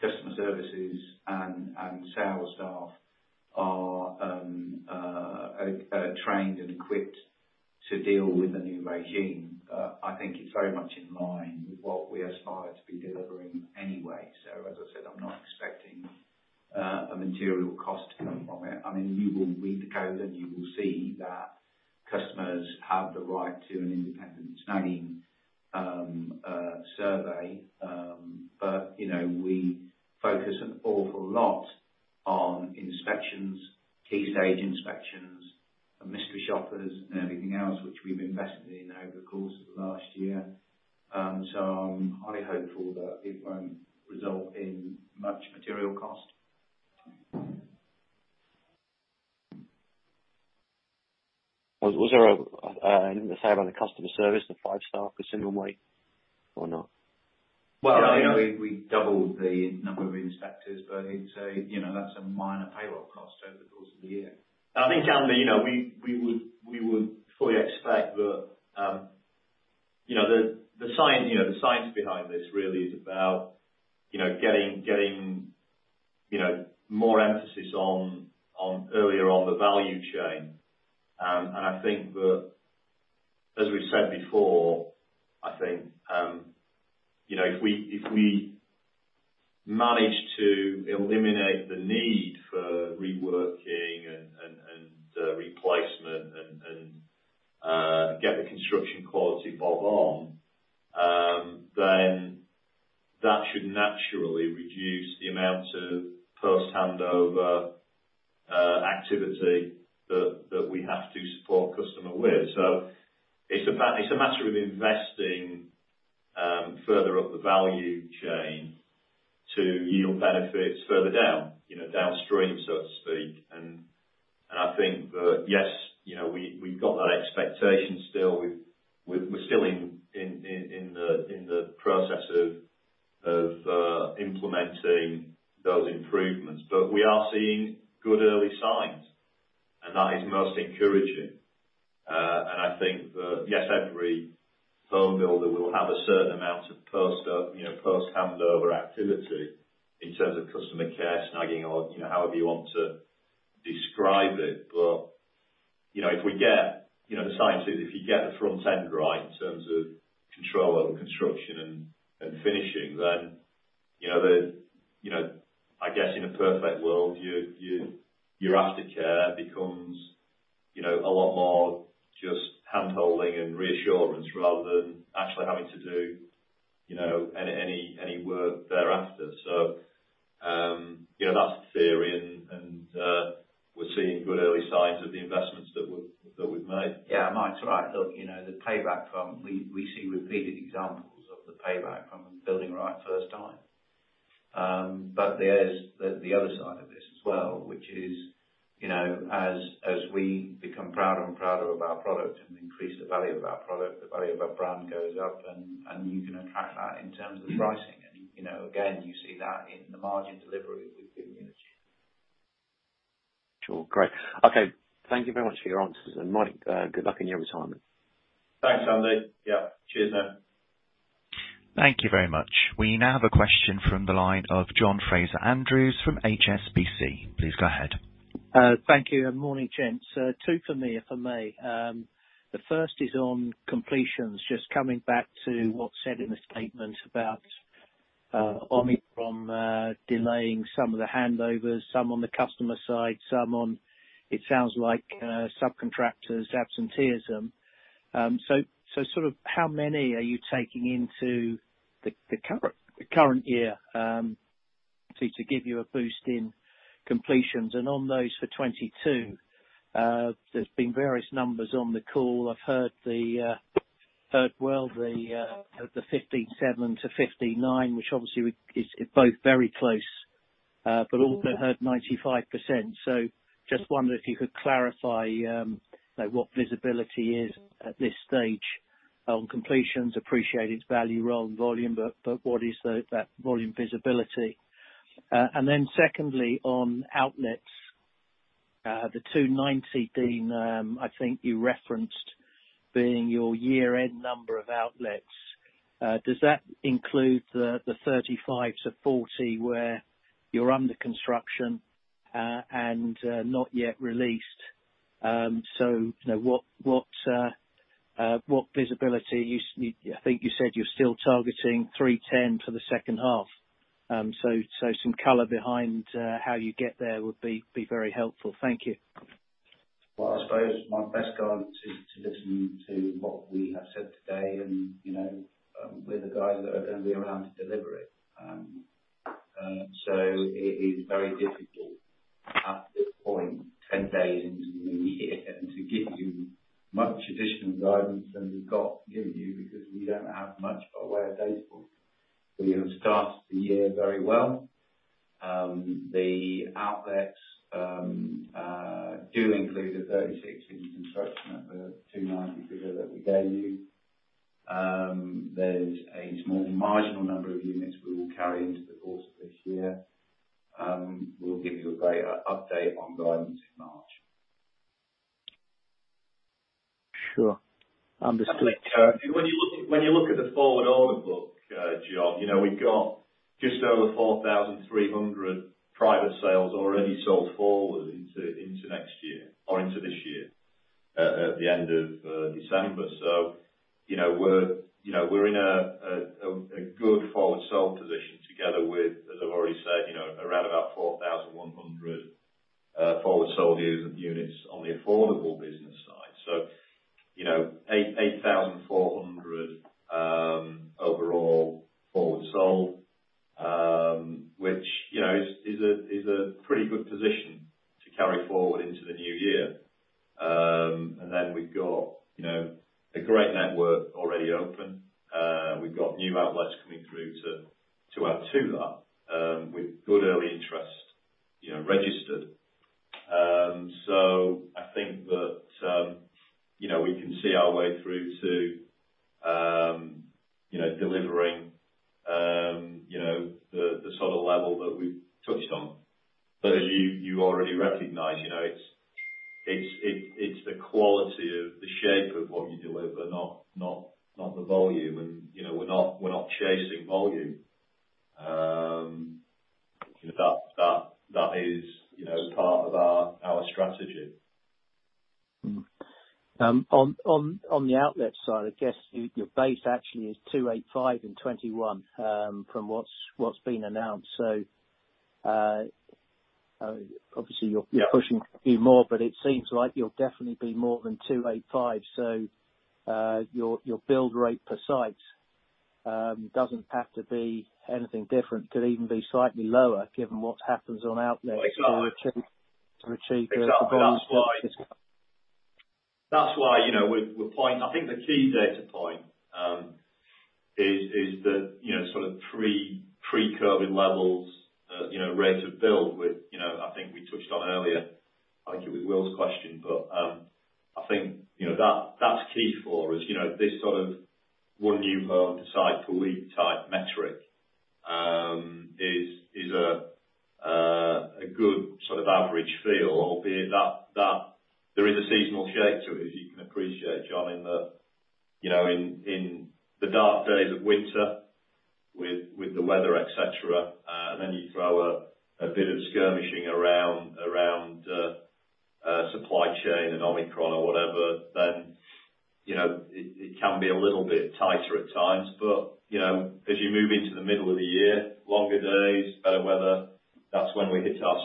customer services and sales staff are trained and equipped to deal with the new regime. I think it's very much in line with what we aspire to be delivering anyway. As I said, I'm not expecting a material cost to come from it. I mean, you will read the code, and you will see that customers have the right to an independent snagging survey. You know, we focus an awful lot on inspections, key stage inspections, mystery shoppers, and everything else which we've invested in over the course of the last year. I'm highly hopeful that it won't result in much material cost. Was there anything to say about the customer service, the five-star rating or not? Well, I mean, we doubled the number of inspectors, but you know, that's a minor payroll cost over the course of the year. I think, Andy, you know, we would fully expect that, you know, the science behind this really is about, you know, getting more emphasis on earlier on the value chain. I think that, as we've said before, I think, you know, if we manage to eliminate the need for reworking and replacement and get the construction quality spot on, then that should naturally reduce the amount of post-handover activity that we have to support customer with. It's a matter of investing further up the value chain to yield benefits further down, you know, downstream, so to speak. I think that, yes, you know, we've got that expectation still. We're still in the process of implementing those improvements. But we are seeing good early signs, and that is most encouraging. I think that, yes, every home builder will have a certain amount of post-handover activity in terms of customer care, snagging or, you know, however you want to describe it. You know, if we get the sense is if you get the front end right in terms of control over construction and finishing, then you know, I guess in a perfect world, your aftercare becomes a lot more just handholding and reassurance rather than actually having to do any work thereafter. You know, that's the theory and we're seeing good early signs of the investments that we've made. Yeah. Mike's right. Look, you know, the payback from. We see repeated examples of the payback from building right first time. But there's the other side of this as well, which is, you know, as we become prouder and prouder of our product and increase the value of our product, the value of our brand goes up, and you can attract that in terms of pricing. You know, again, you see that in the margin delivery we've been able to achieve. Sure. Great. Okay. Thank you very much for your answers. Mike, good luck in your retirement. Thanks, Andy. Yeah. Cheers, then. Thank you very much. We now have a question from the line of John Fraser-Andrews from HSBC. Please go ahead. Thank you and morning, gents. Two for me, if I may. The first is on completions. Just coming back to what's said in the statement about Omicron delaying some of the handovers, some on the customer side, some on, it sounds like, subcontractors' absenteeism. So sort of how many are you taking into the current year to give you a boost in completions? On those for 2022, there's been various numbers on the call. I've heard the 15,700-15,900, which obviously is both very close, but also heard 95%. Just wondered if you could clarify, you know, what visibility is at this stage on completions. Appreciate its value on volume, but what is that volume visibility? Secondly, on outlets, the 290 being, I think you referenced being your year-end number of outlets. Does that include the 35-40 where you're under construction and not yet released? You know, what visibility you... I think you said you're still targeting 310 for the second half. Some color behind how you get there would be very helpful. Thank you. Well, I suppose my best guidance is to listen to what we have said today and, you know, we're the guys that are gonna be around to deliver it. It is very difficult at this point, 10 days into the new year, to give you much additional guidance than we've got given you because we don't have much of a way of data. We have started the year very well. The outlets do include the 36 in construction at the 290 figure that we gave you. There's a small marginal number of units we will carry into the course of this year. We'll give you a greater update on guidance in March. Sure. Understood. When you look at the forward order book, John, you know, we've got just over 4,300 private sales already sold forward into next year or into this year at the end of December. You know, we're in a good forward sell position together with, as I've already said, you know, around about 4,100 forward sold units on the affordable business side. You know, 8,400 overall forward sold, which, you know, is a pretty good position to carry forward into the new year. We've got, you know, a great network already open. We've got new outlets coming through to add to that with good early interest, you know, registered. I think that, you know, we can see our way through to, you know, delivering, you know, the sort of level that we've touched on. But as you already recognize, you know, it's the quality of the shape of what you deliver, not the volume. You know, we're not chasing volume. That is, you know, part of our strategy. On the outlet side, I guess your base actually is 285 and 21 from what's been announced. Obviously you're pushing a few more, but it seems like you'll definitely be more than 285. Your build rate per site doesn't have to be anything different, could even be slightly lower given what happens on outlets. Exactly. To achieve the volumes that you described. That's why, you know, I think the key data point is that, you know, sort of pre-COVID levels, you know, rate of build with, you know, I think we touched on earlier, I think it was Will's question, but I think, you know, that that's key for us. You know, this sort of one new home per site per week type metric is a good sort of average feel, albeit that there is a seasonal shape to it, as you can appreciate, John, in the you know, in the dark days of winter with the weather, et cetera, and then you throw a bit of skirmishing around supply chain and Omicron or whatever, then you know, it can be a little bit tighter at times. You know, as you move into the middle of the year, longer days, better weather, that's when we hit our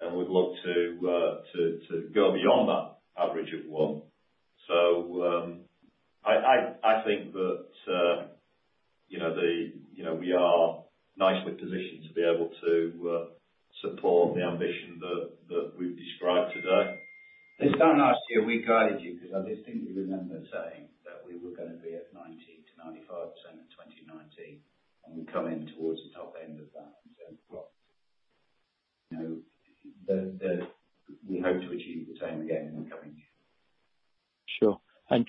straps and we'd look to go beyond that average of one. I think that you know we are nicely positioned to be able to support the ambition that we've described today. This time last year we guided you, 'cause I distinctly remember saying that we were gonna be at 90%-95% in 2019, and we come in towards the top end of that in terms of profit. You know, we hope to achieve the same again in the coming year. Sure.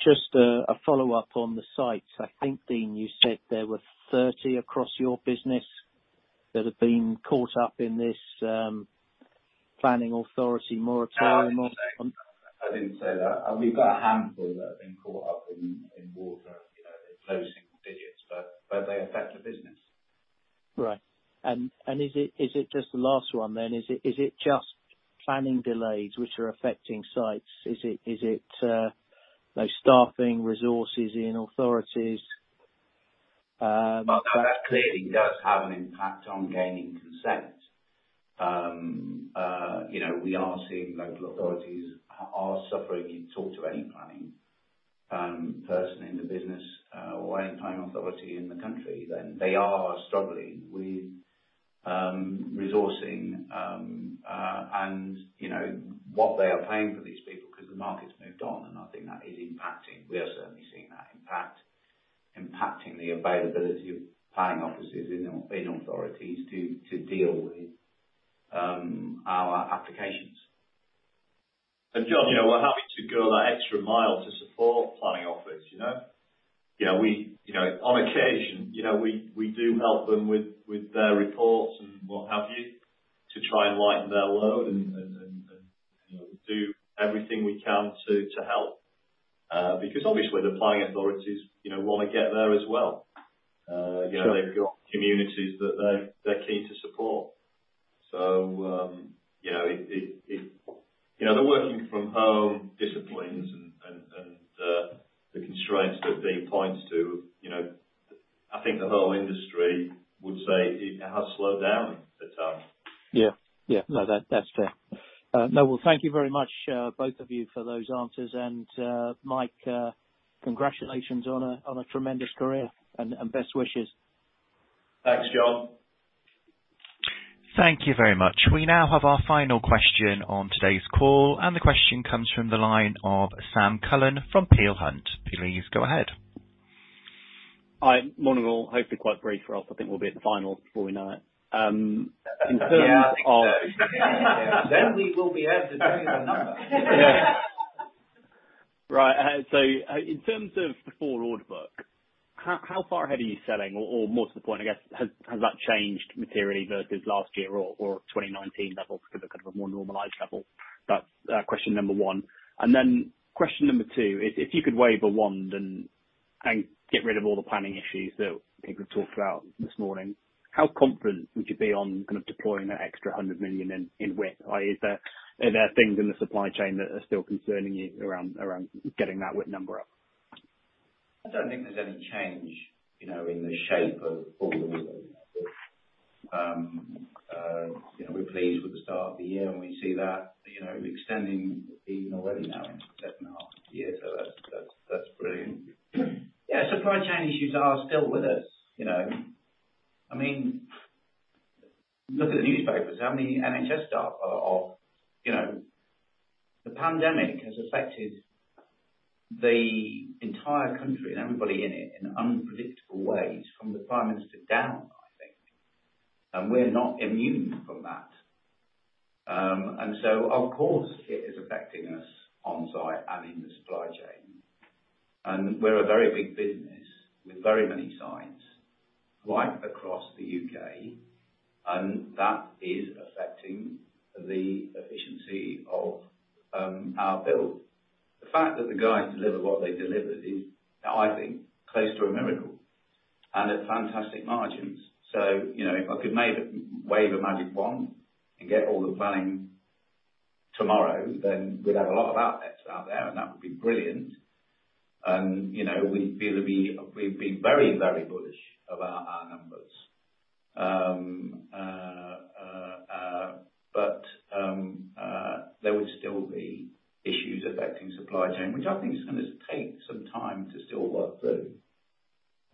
Just a follow-up on the sites. I think, Dean, you said there were 30 across your business that have been caught up in this planning authority moratorium on- No, I didn't say that. We've got a handful that have been caught up in water, you know, in closing digits, but they affect the business. Right. Is it just the last one then? Is it, you know, staffing resources in authorities? Well, that clearly does have an impact on gaining consent. You know, we are seeing local authorities are suffering. You talk to any planning person in the business or any planning authority in the country, then they are struggling with resourcing and you know, what they are paying for these people, 'cause the market's moved on, and I think that is impacting. We are certainly seeing that impact on the availability of planning officers in authorities to deal with our applications. John, you know, we're happy to go that extra mile to support planning office, you know. You know, on occasion, you know, we do help them with their reports and what have you, to try and lighten their load and, you know, do everything we can to help. Because obviously the planning authorities, you know, wanna get there as well. You know. Sure. They've got communities that they're keen to support. You know, the working from home disciplines and the constraints that Dean points to, you know, I think the whole industry would say it has slowed down at times. Yeah. Yeah. No, that's fair. No, well, thank you very much, both of you for those answers. Mike, congratulations on a tremendous career and best wishes. Thanks, John. Thank you very much. We now have our final question on today's call, and the question comes from the line of Sam Cullen from Peel Hunt. Please go ahead. Hi, morning all. Hopefully quite brief for us. I think we'll be at the final before we know it. In terms of. Yeah, I think so. We will be able to tell you the numbers. Right. In terms of the forward book. How far ahead are you selling? Or more to the point, I guess, has that changed materially versus last year or 2019 levels? Because that kind of a more normalized level. That's question number one. Question number two is, if you could wave a wand and get rid of all the planning issues that people have talked about this morning, how confident would you be on kind of deploying that extra 100 million in WIP? Is there, are there things in the supply chain that are still concerning you around getting that WIP number up? I don't think there's any change, you know, in the shape of all the Yeah. You know, we're pleased with the start of the year, and we see that, you know, extending even already now into seven and a half years. That's brilliant. Yeah, supply chain issues are still with us, you know. I mean, look at the newspapers, how many NHS staff are off. You know, the pandemic has affected the entire country and everybody in it in unpredictable ways, from the prime minister down, I think. We're not immune from that. Of course it is affecting us on site and in the supply chain. We're a very big business with very many sites right across the U.K., and that is affecting the efficiency of our build. The fact that the guys deliver what they delivered is, I think, close to a miracle, and at fantastic margins. You know, if I could wave a magic wand and get all the planning tomorrow, then we'd have a lot of outlets out there, and that would be brilliant. You know, we've been very bullish about our numbers. But there would still be issues affecting supply chain, which I think is gonna take some time to still work through,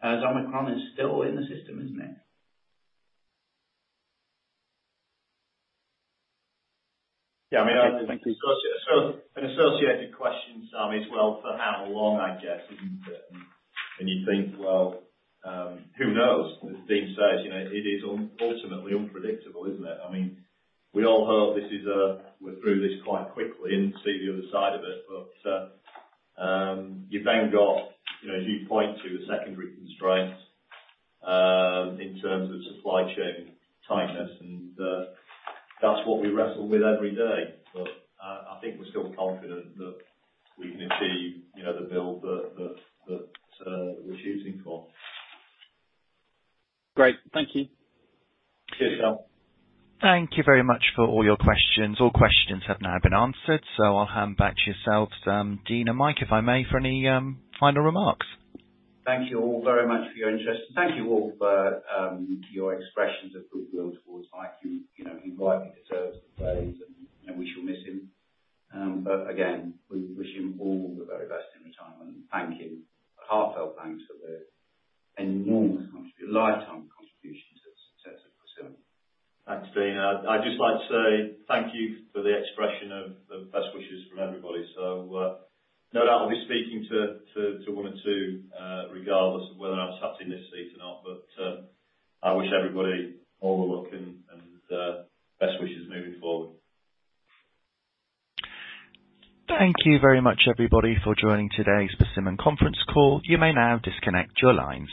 as Omicron is still in the system, isn't it? Yeah. Okay. Thank you. An associated question, Sam, is, well, for how long, I guess, isn't it? You think, well, who knows? As Dean says, you know, it is ultimately unpredictable, isn't it? I mean, we all hope we're through this quite quickly and see the other side of it. You've then got, you know, as you point to the secondary constraints in terms of supply chain tightness and that's what we wrestle with every day. I think we're still confident that we can achieve, you know, the build that we're shooting for. Great. Thank you. Cheers, Sam. Thank you very much for all your questions. All questions have now been answered, so I'll hand back to yourselves, Dean and Mike, if I may, for any final remarks. Thank you all very much for your interest. Thank you all for your expressions of goodwill towards Mike. He rightly deserves the praise, and we shall miss him. Again, we wish him all the very best in retirement. Thank you. A heartfelt thanks for the enormous lifetime contributions to the success of Persimmon. Thanks, Dean. I'd just like to say thank you for the expression of best wishes from everybody. No doubt I'll be speaking to one or two, regardless of whether I was sat in this seat or not. I wish everybody all the luck and best wishes moving forward. Thank you very much, everybody, for joining today's Persimmon conference call. You may now disconnect your lines.